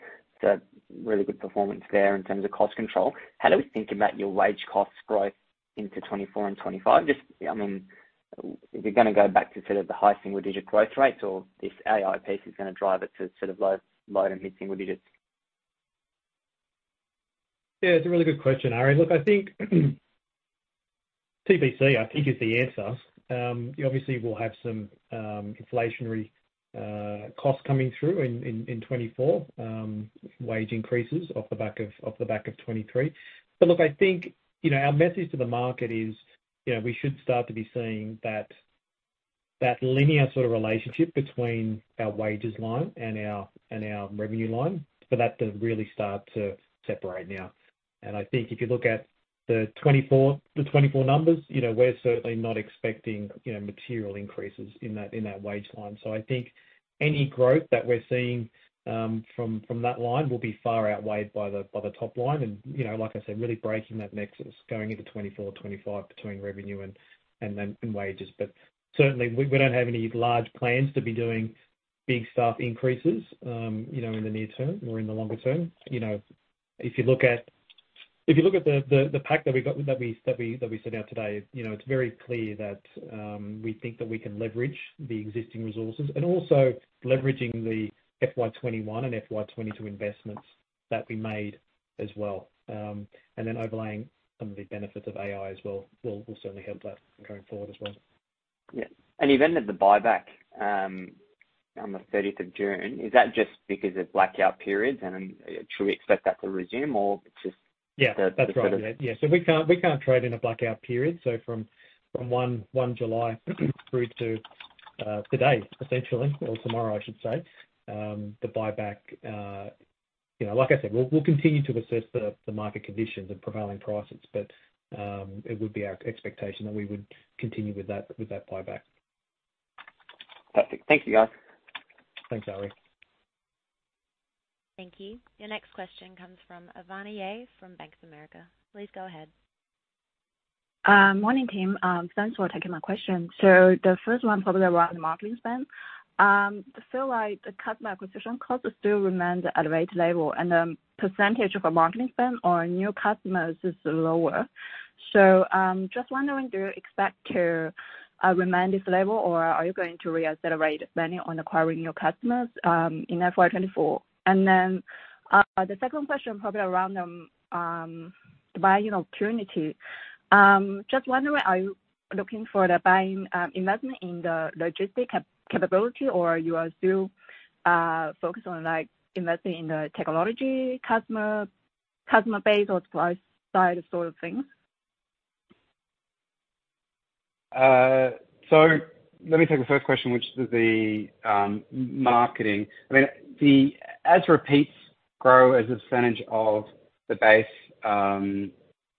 Really good performance there in terms of cost control. How do we think about your wage costs growth into 2024 and 2025? Just, I mean, if you're gonna go back to sort of the high single-digit growth rates, or this AI piece is gonna drive it to sort of low to mid single digits? Yeah, it's a really good question, Ari. Look, I think TBC, I think, is the answer. You obviously will have some inflationary costs coming through in 2024, wage increases off the back of, off the back of 2023. Look, I think, you know, our message to the market is, you know, we should start to be seeing that, that linear sort of relationship between our wages line and our, and our revenue line, for that to really start to separate now. I think if you look at the 2024, the 2024 numbers, you know, we're certainly not expecting, you know, material increases in that, in that wage line. I think any growth that we're seeing from, from that line will be far outweighed by the, by the top line. You know, like I said, really breaking that nexus going into 2024, 2025 between revenue and, and then, and wages. Certainly, we, we don't have any large plans to be doing big staff increases, you know, in the near term or in the longer term. You know, if you look at the pack that we set out today, you know, it's very clear that we think that we can leverage the existing resources, and also leveraging the FY21 and FY22 investments that we made as well. Then overlaying some of the benefits of AI as well, will, will certainly help that going forward as well. Yeah. You've ended the buyback on the 30th of June. Is that just because of blackout periods, and should we expect that to resume, or just- Yeah, that's right. The sort of- Yeah. We can't, we can't trade in a blackout period, so from, from 1st July through to today, essentially, or tomorrow, I should say. The buyback, you know, like I said, we'll, we'll continue to assess the, the market conditions and prevailing prices, but it would be our expectation that we would continue with that, with that buyback. Perfect. Thank you, guys. Thanks, Ary. Thank you. Your next question comes from Aswin Yee, from Bank of America. Please go ahead. Morning, team. Thanks for taking my question. The first one, probably around the marketing spend. I feel like the customer acquisition cost still remains at a rate level, and the percentage of a marketing spend on new customers is lower. Just wondering, do you expect to remain this level, or are you going to reaccelerate spending on acquiring new customers in FY24? The second question, probably around the buying opportunity. Just wondering, are you looking for the buying investment in the logistic capability, or you are still focused on, like, investing in the technology, customer, customer base, or supply side sort of things? Let me take the first question, which is the marketing. I mean, the as repeats grow as a percentage of the base,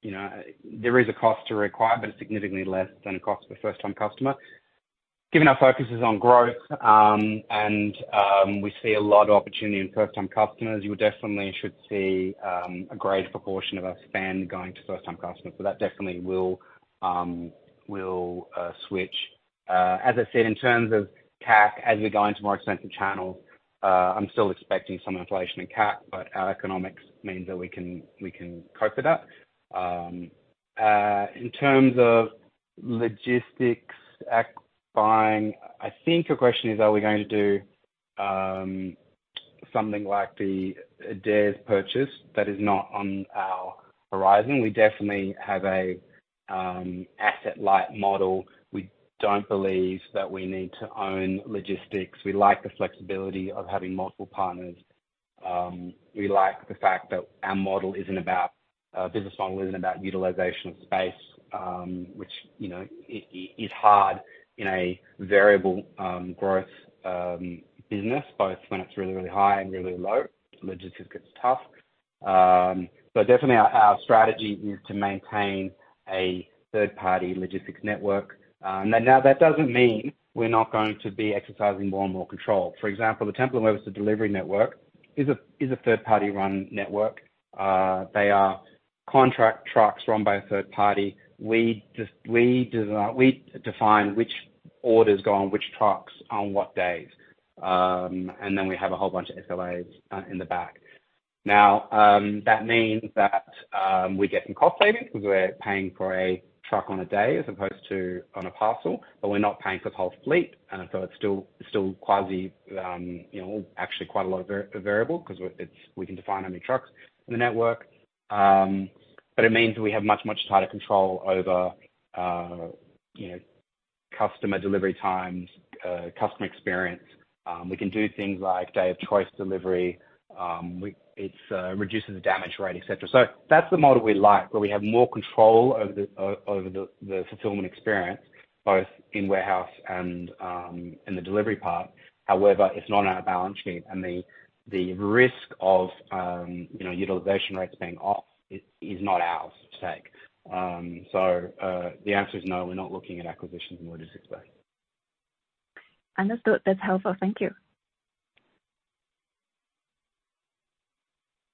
you know, there is a cost to acquire, but it's significantly less than the cost of a first-time customer. Given our focus is on growth, and we see a lot of opportunity in first-time customers, you definitely should see a greater proportion of our spend going to first-time customers. That definitely will will switch. As I said, in terms of CAC, as we go into more expensive channels, I'm still expecting some inflation in CAC, but our economics means that we can, we can cope with that. In terms of logistics buying, I think your question is, are we going to do something like the Adairs purchase? That is not on our horizon. We definitely have a asset-light model. We don't believe that we need to own logistics. We like the flexibility of having multiple partners. We like the fact that our model isn't about business model isn't about utilization of space, which, you know, is hard in a variable growth business, both when it's really, really high and really low. Logistics gets tough. Definitely our, our strategy is to maintain a third-party logistics network. Then now, that doesn't mean we're not going to be exercising more and more control. For example, the Temple & Webster delivery network is a third-party run network. They are contract trucks run by a third party. We define which orders go on which trucks on what days. Then we have a whole bunch of SLAs in the back. Now, that means that we're getting cost savings because we're paying for a truck on a day as opposed to on a parcel, but we're not paying for the whole fleet. It's still, still quasi, you know, actually quite a lot of variable, 'cause we can define how many trucks in the network. It means we have much, much tighter control over, you know, customer delivery times, customer experience. We can do things like day-of-choice delivery. It reduces the damage rate, et cetera. That's the model we like, where we have more control over the fulfillment experience, both in warehouse and in the delivery part. However, it's not on our balance sheet, and the, the risk of, you know, utilization rates being off is, is not ours to take. The answer is no, we're not looking at acquisitions in the logistics space. Understood. That's helpful. Thank you.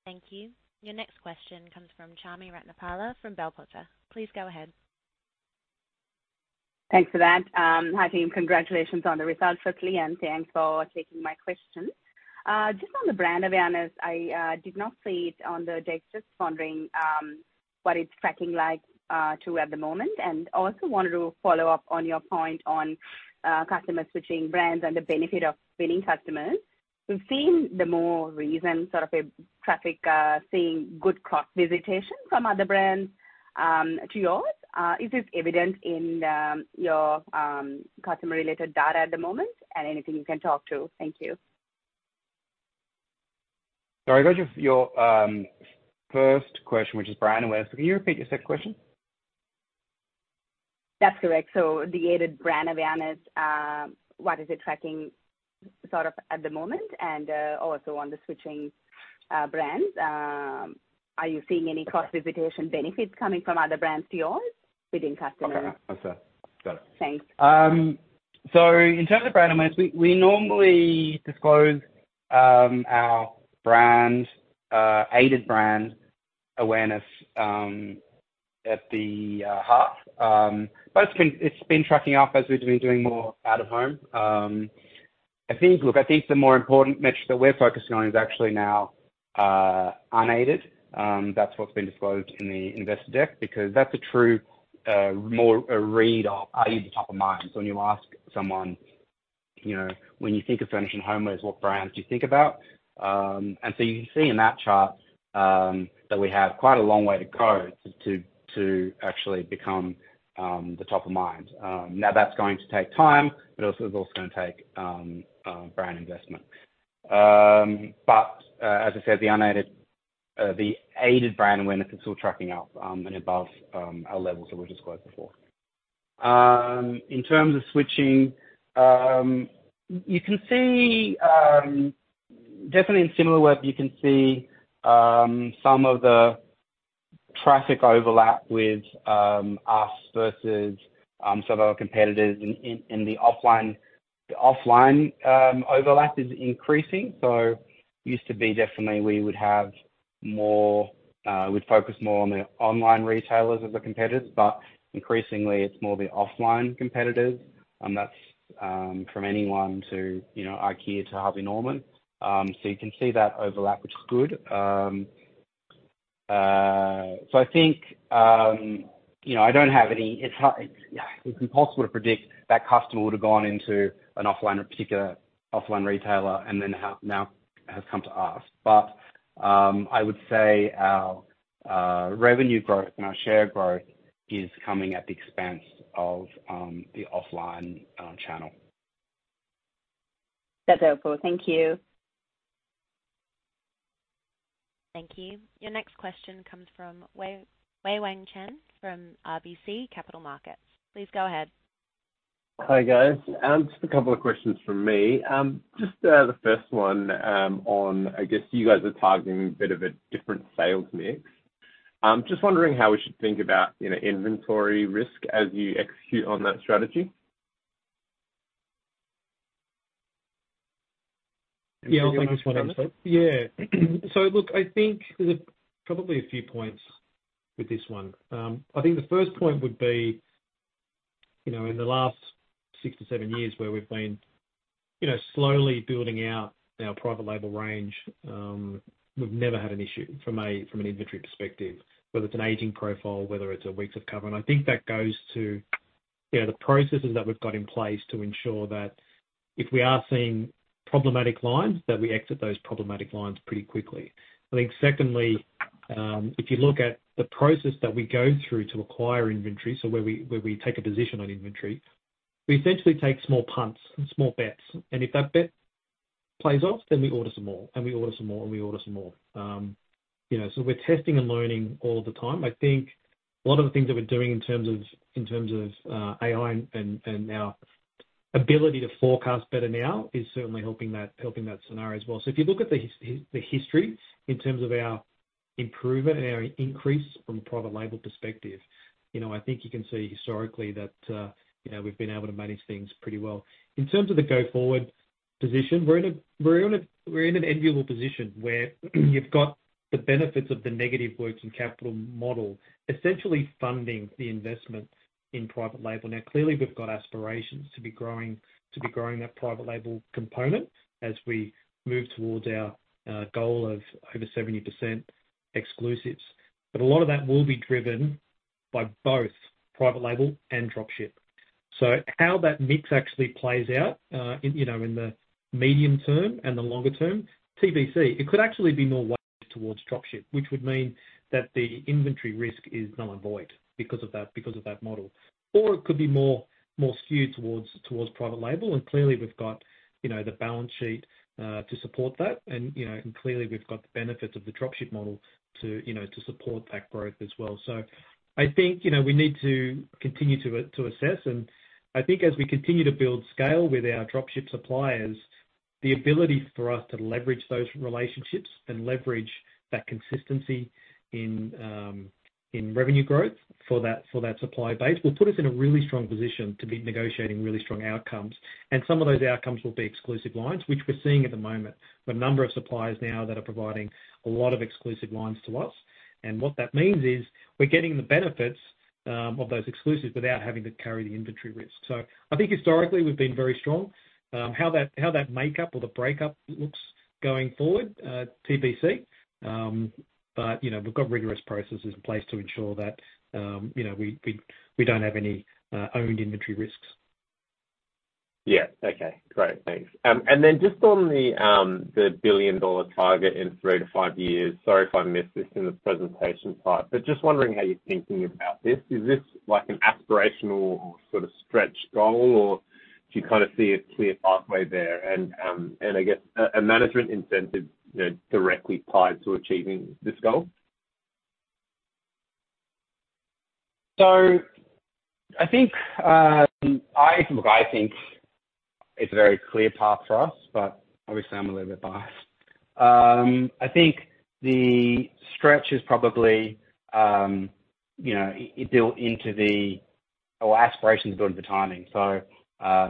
Thank you. Your next question comes from Chami Ratnapala from Bell Potter. Please go ahead. Thanks for that. Hi, team. Congratulations on the results for the year, and thanks for taking my question. Just on the brand awareness, I did not see it on the deck, just wondering what it's tracking like to at the moment, and also wanted to follow up on your point on customer switching brands and the benefit of winning customers. We've seen the more recent sort of a traffic, seeing good cross-visitation from other brands to yours. Is this evident in your customer-related data at the moment, and anything you can talk to? Thank you. Sorry, got your, your, first question, which is brand awareness. Can you repeat your second question? That's correct. The aided brand awareness, what is it tracking sort of at the moment? Also on the switching brands, are you seeing any cross-visitation benefits coming from other brands to yours within customers? Okay. I, see. Got it. Thanks. In terms of brand awareness, we, we normally disclose our brand aided brand awareness at the half. It's been tracking up as we've been doing more out-of-home. Look, I think the more important metric that we're focusing on is actually now unaided. That's what's been disclosed in the investor deck, because that's a true more a read of, are you the top of mind? When you ask someone, you know, "When you think of furniture and homes, what brands do you think about?" You can see in that chart that we have quite a long way to go to actually become the top of mind. Now, that's going to take time, but it's also gonna take brand investment. As I said, the aided brand awareness is still tracking up and above our levels that we disclosed before. In terms of switching, you can see definitely in Similarweb, you can see some of the traffic overlap with us versus some of our competitors in the offline. The offline overlap is increasing, used to be definitely we would have more, we'd focus more on the online retailers of the competitors, but increasingly it's more the offline competitors, and that's from anyone to, you know, IKEA to Harvey Norman. You can see that overlap, which is good. I think, you know, it's hard... It's impossible to predict that customer would have gone into an offline or particular offline retailer and then have now has come to us. I would say our revenue growth and our share growth is coming at the expense of the offline channel. That's helpful. Thank you. Thank you. Your next question comes from Wei-Weng Chen from RBC Capital Markets. Please go ahead. Hi, guys. Just a couple of questions from me. Just the first one, on, I guess you guys are targeting a bit of a different sales mix. Just wondering how we should think about, you know, inventory risk as you execute on that strategy? Yeah, I'll take this one. Look, I think there's probably a few points with this one. I think the first point would be, you know, in the last six to seven years where we've been, you know, slowly building out our private label range, we've never had an issue from an inventory perspective, whether it's an aging profile, whether it's a weeks of cover. I think that goes to, you know, the processes that we've got in place to ensure that if we are seeing problematic lines, that we exit those problematic lines pretty quickly. I think secondly, if you look at the process that we go through to acquire inventory, where we take a position on inventory, we essentially take small punts and small bets, and if that bet plays off, then we order some more, and we order some more, and we order some more. You know, we're testing and learning all the time. I think a lot of the things that we're doing in terms of AI and our ability to forecast better now is certainly helping that, helping that scenario as well. If you look at the history in terms of our improvement and our increase from a private label perspective, you know, I think you can see historically that, you know, we've been able to manage things pretty well. In terms of the go-forward position, we're in an enviable position where you've got the benefits of the negative working capital model, essentially funding the investment in private label. Clearly, we've got aspirations to be growing that private label component as we move towards our goal of over 70% exclusives. A lot of that will be driven by both private label and dropship. How that mix actually plays out, in, you know, in the medium term and the longer term, TBC, it could actually be more weighted towards dropship, which would mean that the inventory risk is null and void because of that, because of that model. It could be more skewed towards private label, and clearly, we've got, you know, the balance sheet to support that. You know, and clearly, we've got the benefits of the dropship model to, you know, to support that growth as well. I think, you know, we need to continue to, to assess, and I think as we continue to build scale with our dropship suppliers, the ability for us to leverage those relationships and leverage that consistency in revenue growth for that, for that supplier base, will put us in a really strong position to be negotiating really strong outcomes. Some of those outcomes will be exclusive lines, which we're seeing at the moment. The number of suppliers now that are providing a lot of exclusive lines to us, and what that means is we're getting the benefits. ... of those exclusives without having to carry the inventory risk. I think historically, we've been very strong. How that, how that make up or the break up looks going forward, TBC. You know, we've got rigorous processes in place to ensure that, you know, we, we, we don't have any owned inventory risks. Yeah. Okay, great. Thanks. Then just on the billion-dollar target in three to five years, sorry if I missed this in the presentation part, but just wondering how you're thinking about this. Is this like an aspirational or sort of stretched goal, or do you kind of see a clear pathway there? I guess, a management incentive, you know, directly tied to achieving this goal? I think, look, I think it's a very clear path for us, but obviously I'm a little bit biased. I think the stretch is probably, you know, built into the... Or aspiration is built into the timing.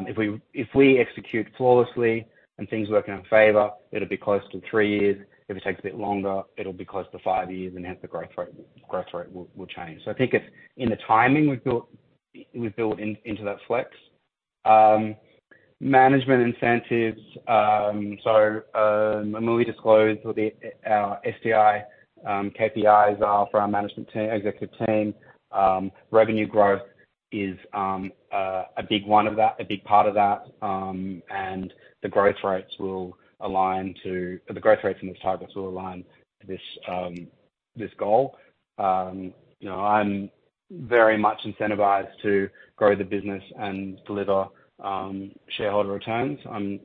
If we, if we execute flawlessly and things work in our favor, it'll be close to three years. If it takes a bit longer, it'll be close to five years, and hence the growth rate, growth rate will, will change. I think it's in the timing, we've built, we've built in, into that flex. Management incentives, when we disclose what the our STI KPIs are for our management team, executive team, revenue growth is a big one of that, a big part of that, and the growth rates and the targets will align to this goal. You know, I'm very much incentivized to grow the business and deliver shareholder returns. I'm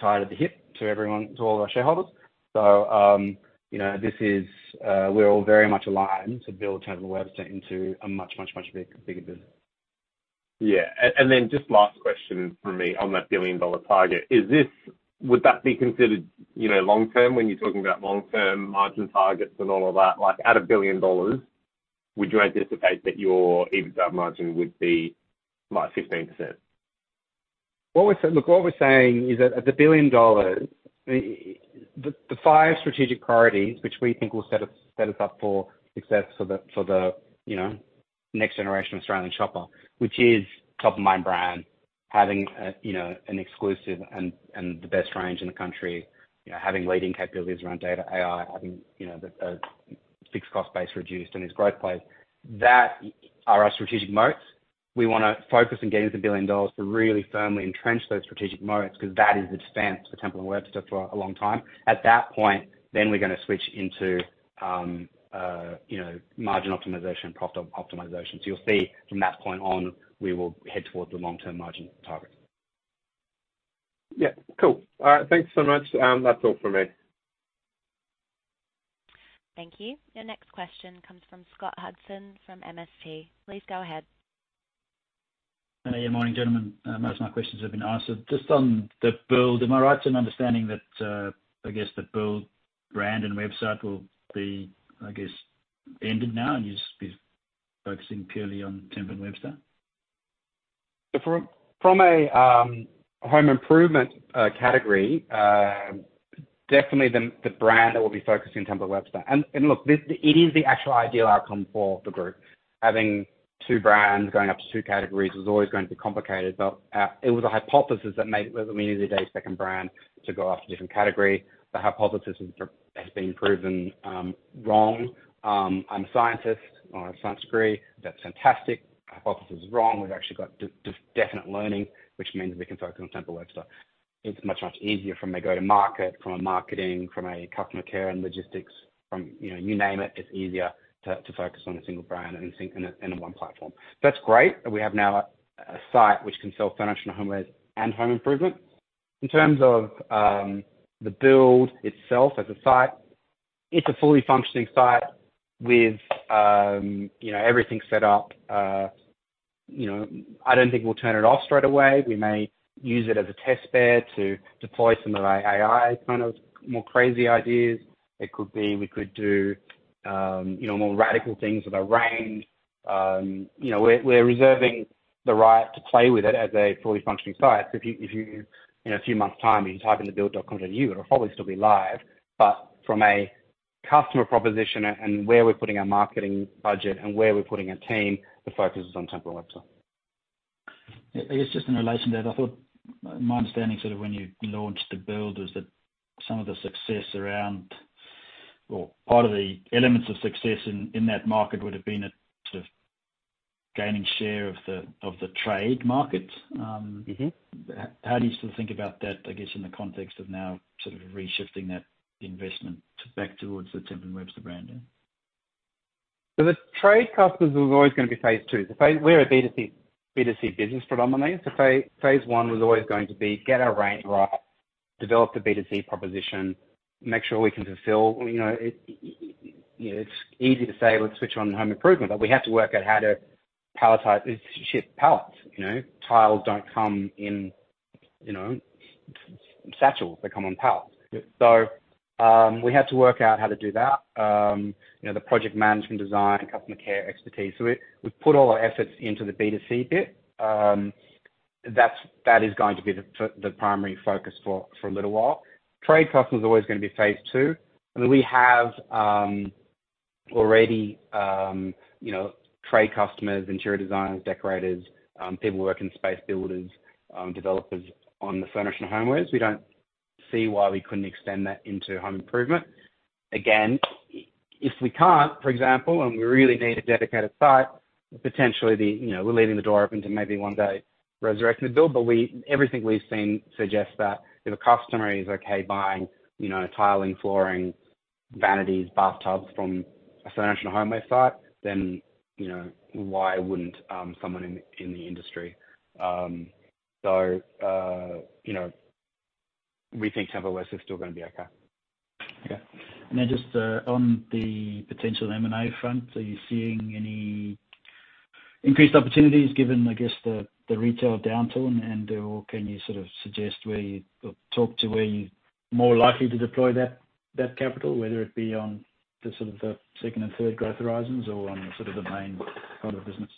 tied at the hip to everyone, to all of our shareholders. You know, this is... We're all very much aligned to build Temple & Webster into a much, much, much bigger business. Yeah. Then just last question from me on that billion-dollar target. Would that be considered, you know, long term, when you're talking about long-term margin targets and all of that? Like, at 1 billion dollars, would you anticipate that your EBITDA margin would be, like, 15%? What we're saying, Look, what we're saying is that at the 1 billion dollars, the five strategic priorities, which we think will set us, set us up for success for the, you know, next-generation Australian shopper, which is top-of-mind brand, having a, you know, an exclusive and the best range in the country, you know, having leading capabilities around data, AI, having, you know, the fixed cost base reduced and its growth plays, that are our strategic moats. We wanna focus on getting to the 1 billion dollars to really firmly entrench those strategic moats, 'cause that is the stance for Temple & Webster for a long time. At that point, we're gonna switch into, you know, margin optimization, profit optimization. You'll see from that point on, we will head towards the long-term margin target. Yeah. Cool! All right, thanks so much. That's all from me. Thank you. Your next question comes from Scott Hudson, from MST. Please go ahead. Yeah, morning, gentlemen. Most of my questions have been answered. Just on The Build, am I right in understanding that, I guess, The Build brand and website will be, I guess, ended now, and you'll just be focusing purely on Temple & Webster? From, from a home improvement category, definitely the brand that we'll be focusing on Temple & Webster. Look, it is the actual ideal outcome for the group. Having 2 brands going up to 2 categories was always going to be complicated, but it was a hypothesis that made, we needed a second brand to go after a different category. The hypothesis has been proven wrong. I'm a scientist. I'm a science degree. That's fantastic. Hypothesis is wrong. We've actually got definite learning, which means we can focus on Temple & Webster. It's much, much easier from a go-to-market, from a marketing, from a customer care and logistics, from, you know, you name it, it's easier to, to focus on a single brand and think in a 1 platform. That's great, we have now a site which can sell furniture, homewares, and home improvement. In terms of The Build itself as a site, it's a fully functioning site with, you know, everything set up. You know, I don't think we'll turn it off straight away. We may use it as a test bed to deploy some of our AI, kind of more crazy ideas. It could be, we could do, you know, more radical things with our range. You know, we're reserving the right to play with it as a fully functioning site. If you, in a few months' time, you type in TheBuild.com.au, it'll probably still be live. From a customer proposition and where we're putting our marketing budget and where we're putting our team, the focus is on Temple & Webster. I guess just in relation to that, I thought my understanding, sort of when you launched The Build, was that some of the success around or part of the elements of success in, in that market would have been a sort of gaining share of the, of the trade market. Mm-hmm. How do you still think about that, I guess, in the context of now sort of reshift that investment back towards the Temple & Webster brand, yeah? The trade customers was always gonna be phase two. We're a B2C, B2C business predominantly. Phase one was always going to be, get our range right, develop the B2C proposition, make sure we can fulfill. You know, it's easy to say, "Let's switch on home improvement," but we have to work out how to palletize this ship pallet. You know, tiles don't come in, you know, satchels. They come on pallets. Yeah. We had to work out how to do that, you know, the project management design, customer care expertise. We've put all our efforts into the B2C bit. That's, that is going to be the primary focus for, for a little while. Trade customer is always gonna be phase two. We have already, you know, trade customers, interior designers, decorators, people who work in space builders, developers on the furnishing and homewares. We don't see why we couldn't extend that into home improvement. Again, if we can't, for example, and we really need a dedicated site, potentially the, you know, we're leaving the door open to maybe one day resurrecting The Build. Everything we've seen suggests that if a customer is okay buying, you know, tiling, flooring, vanities, bathtubs from a furnishing and homeware site, then, you know, why wouldn't someone in, in the industry? You know, we think Temple & Webster is still gonna be okay. Okay. Then just on the potential M&A front, are you seeing any increased opportunities given, I guess, the, the retail downturn, and, or can you sort of suggest where you or talk to where you're more likely to deploy that, that capital, whether it be on the sort of the second and third growth horizons or on sort of the main part of the business?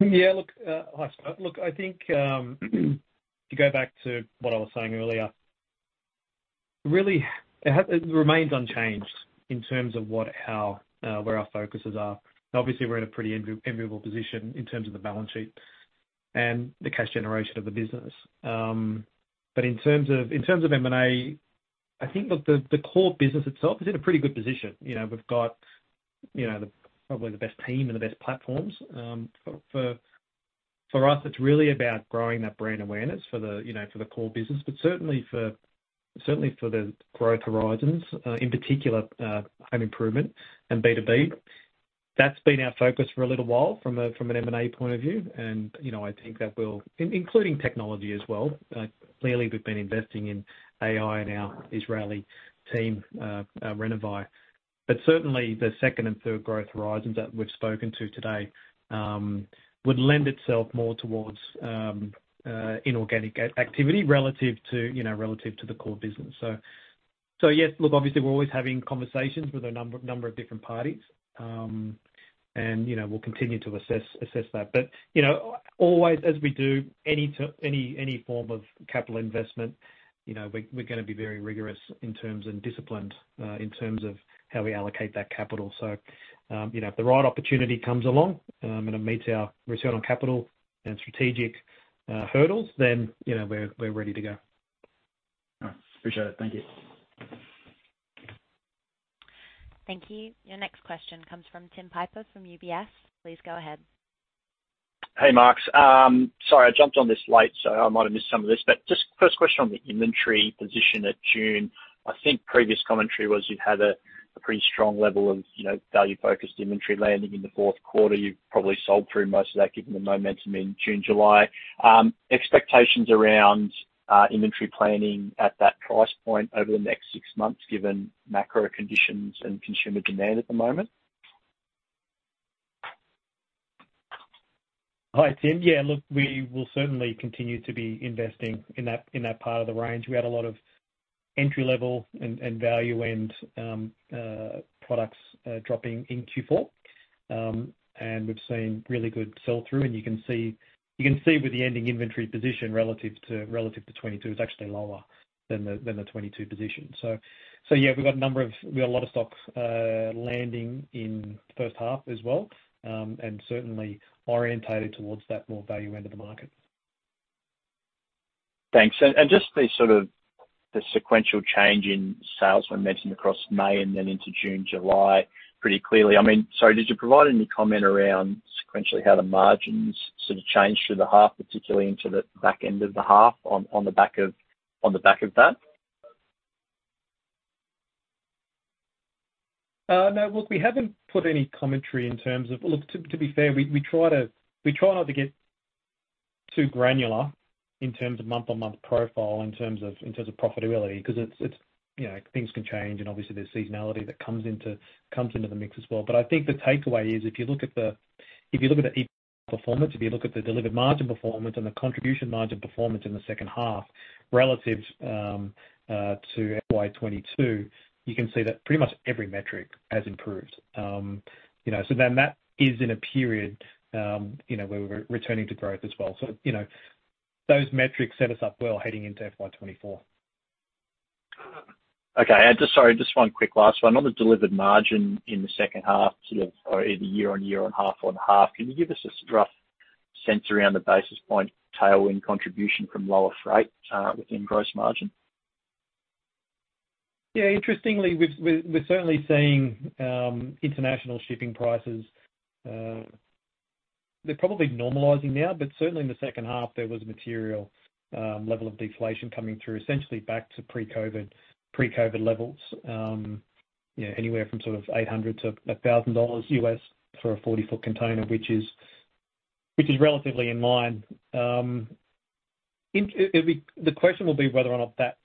Yeah, look, hi. Look, I think, to go back to what I was saying earlier, really, it remains unchanged in terms of what our... where our focuses are. Obviously, we're in a pretty immovable position in terms of the balance sheet and the cash generation of the business. In terms of, in terms of M&A, I think, look, the, the core business itself is in a pretty good position. You know, we've got, you know, the probably the best team and the best platforms. For us, it's really about growing that brand awareness for the, you know, for the core business, but certainly for the growth horizons, in particular, home improvement and B2B. That's been our focus for a little while, from an M&A point of view, and, you know, I think that will including technology as well. Clearly, we've been investing in AI and our Israeli team, Renovai. Certainly, the second and third growth horizons that we've spoken to today, would lend itself more towards inorganic activity relative to, you know, relative to the core business. Yes, look, obviously, we're always having conversations with a number of different parties. You know, we'll continue to assess, assess that. You know, always, as we do any form of capital investment, you know, we, we're gonna be very rigorous in terms and disciplined in terms of how we allocate that capital. You know, if the right opportunity comes along, and it meets our return on capital and strategic hurdles, then, you know, we're, we're ready to go. All right. Appreciate it. Thank you. Thank you. Your next question comes from Tim Piper, from UBS. Please go ahead. Hey, Mark. Sorry, I jumped on this late, so I might have missed some of this. Just first question on the inventory position at June. I think previous commentary was you had a, a pretty strong level of, you know, value-focused inventory landing in the fourth quarter. You've probably sold through most of that, given the momentum in June, July. Expectations around inventory planning at that price point over the next 6 months, given macro conditions and consumer demand at the moment? Hi, Tim. Yeah, look, we will certainly continue to be investing in that, in that part of the range. We had a lot of entry-level and, and value-end, products, dropping in Q4. We've seen really good sell-through, and you can see, you can see with the ending inventory position relative to, relative to 2022, it's actually lower than the, than the 2022 position. Yeah, we've got a lot of stocks, landing in the first half as well, and certainly oriented towards that more value end of the market. Thanks. Just the sort of the sequential change in sales were mentioned across May and then into June, July, pretty clearly. I mean, did you provide any comment around sequentially how the margins sort of changed through the half, particularly into the back end of the half, on the back of that? No. Look, we haven't put any commentary in terms of- well, look, to, to be fair, we, we try to, we try not to get too granular in terms of month-on-month profile, in terms of, in terms of profitability, 'cause it's, it's, you know, things can change, and obviously there's seasonality that comes into, comes into the mix as well. But I think the takeaway is, if you look at the, if you look at the performance, if you look at the delivered margin performance and the contribution margin performance in the second half, relative to FY22, you can see that pretty much every metric has improved. You know, so then that is in a period, you know, where we're returning to growth as well. You know, those metrics set us up well heading into FY24. Okay. Sorry, just one quick last one. On the delivered margin in the second half, or in the year-on-year and half-on-half, can you give us a rough sense around the basis point tailwind contribution from lower freight within gross margin? Yeah, interestingly, we've, we're, we're certainly seeing international shipping prices. They're probably normalizing now, but certainly in the second half, there was a material level of deflation coming through, essentially back to pre-COVID, pre-COVID levels. You know, anywhere from sort of $800-$1,000 for a 40-foot container, which is, which is relatively in line. The question will be whether or not that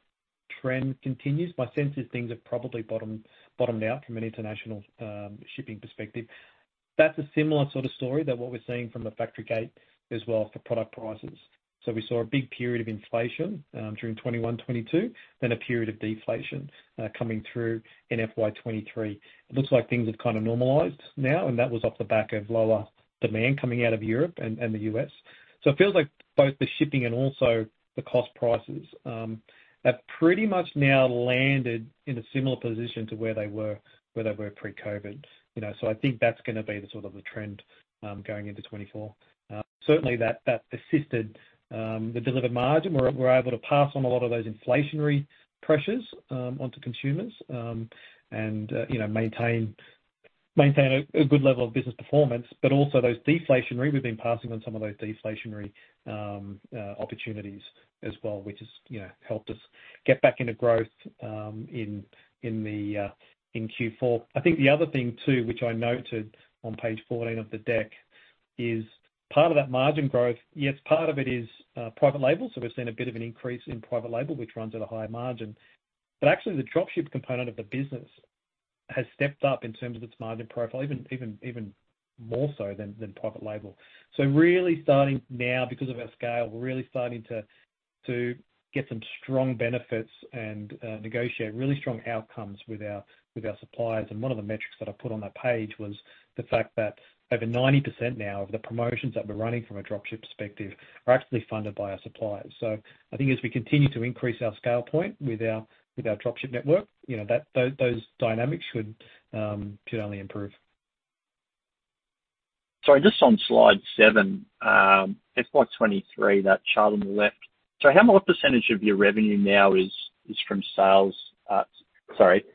trend continues. My sense is things have probably bottomed, bottomed out from an international shipping perspective. That's a similar sort of story that what we're seeing from the factory gate as well for product prices. We saw a big period of inflation during 2021, 2022, then a period of deflation coming through in FY23. It looks like things have kind of normalized now, that was off the back of lower demand coming out of Europe and the US. It feels like both the shipping and also the cost prices have pretty much now landed in a similar position to where they were, where they were pre-COVID. You know, so I think that's gonna be the sort of the trend going into 2024. Certainly that, that assisted the delivered margin. We're, we're able to pass on a lot of those inflationary pressures onto consumers and, you know, maintain, maintain a good level of business performance. Also those deflationary, we've been passing on some of those deflationary opportunities as well, which has, you know, helped us get back into growth in, in the in Q4. I think the other thing, too, which I noted on page 14 of the deck, is part of that margin growth, yes, part of it is private label. We've seen a bit of an increase in private label, which runs at a higher margin. Actually, the dropship component of the business has stepped up in terms of its margin profile, even more so than private label. Really starting now, because of our scale, we're really starting to get some strong benefits and negotiate really strong outcomes with our suppliers. One of the metrics that I put on that page was the fact that over 90% now of the promotions that we're running from a dropship perspective are actually funded by our suppliers. I think as we continue to increase our scale point with our, with our dropship network, you know, those, those dynamics should should only improve. Sorry, just on slide 7, FY 2023, that chart on the left. How much percentage of your revenue now is, is from sales? Sorry,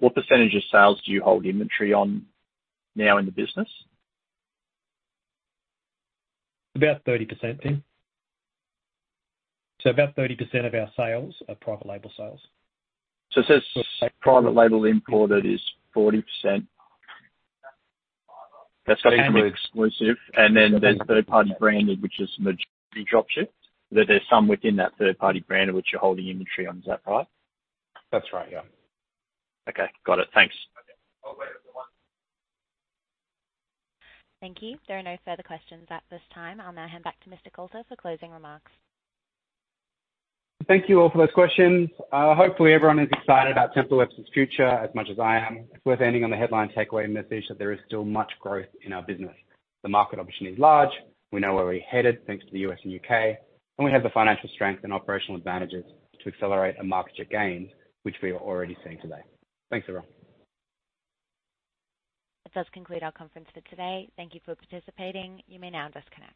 what percentage of sales do you hold inventory on now in the business? About 30%, Tim. About 30% of our sales are private label sales. it says private label imported is 40%. That's correct. Exclusive, there's third party branded, which is majority dropship. There's some within that third party branded, which you're holding inventory on. Is that right? That's right, yeah. Okay, got it. Thanks. Thank you. There are no further questions at this time. I'll now hand back to Mr. Coulter for closing remarks. Thank you all for those questions. Hopefully everyone is excited about Temple & Webster's future as much as I am. It's worth ending on the headline takeaway message that there is still much growth in our business. The market opportunity is large, we know where we're headed, thanks to the U.S. and U.K., and we have the financial strength and operational advantages to accelerate and market share gains, which we are already seeing today. Thanks, everyone. That does conclude our conference for today. Thank you for participating. You may now disconnect.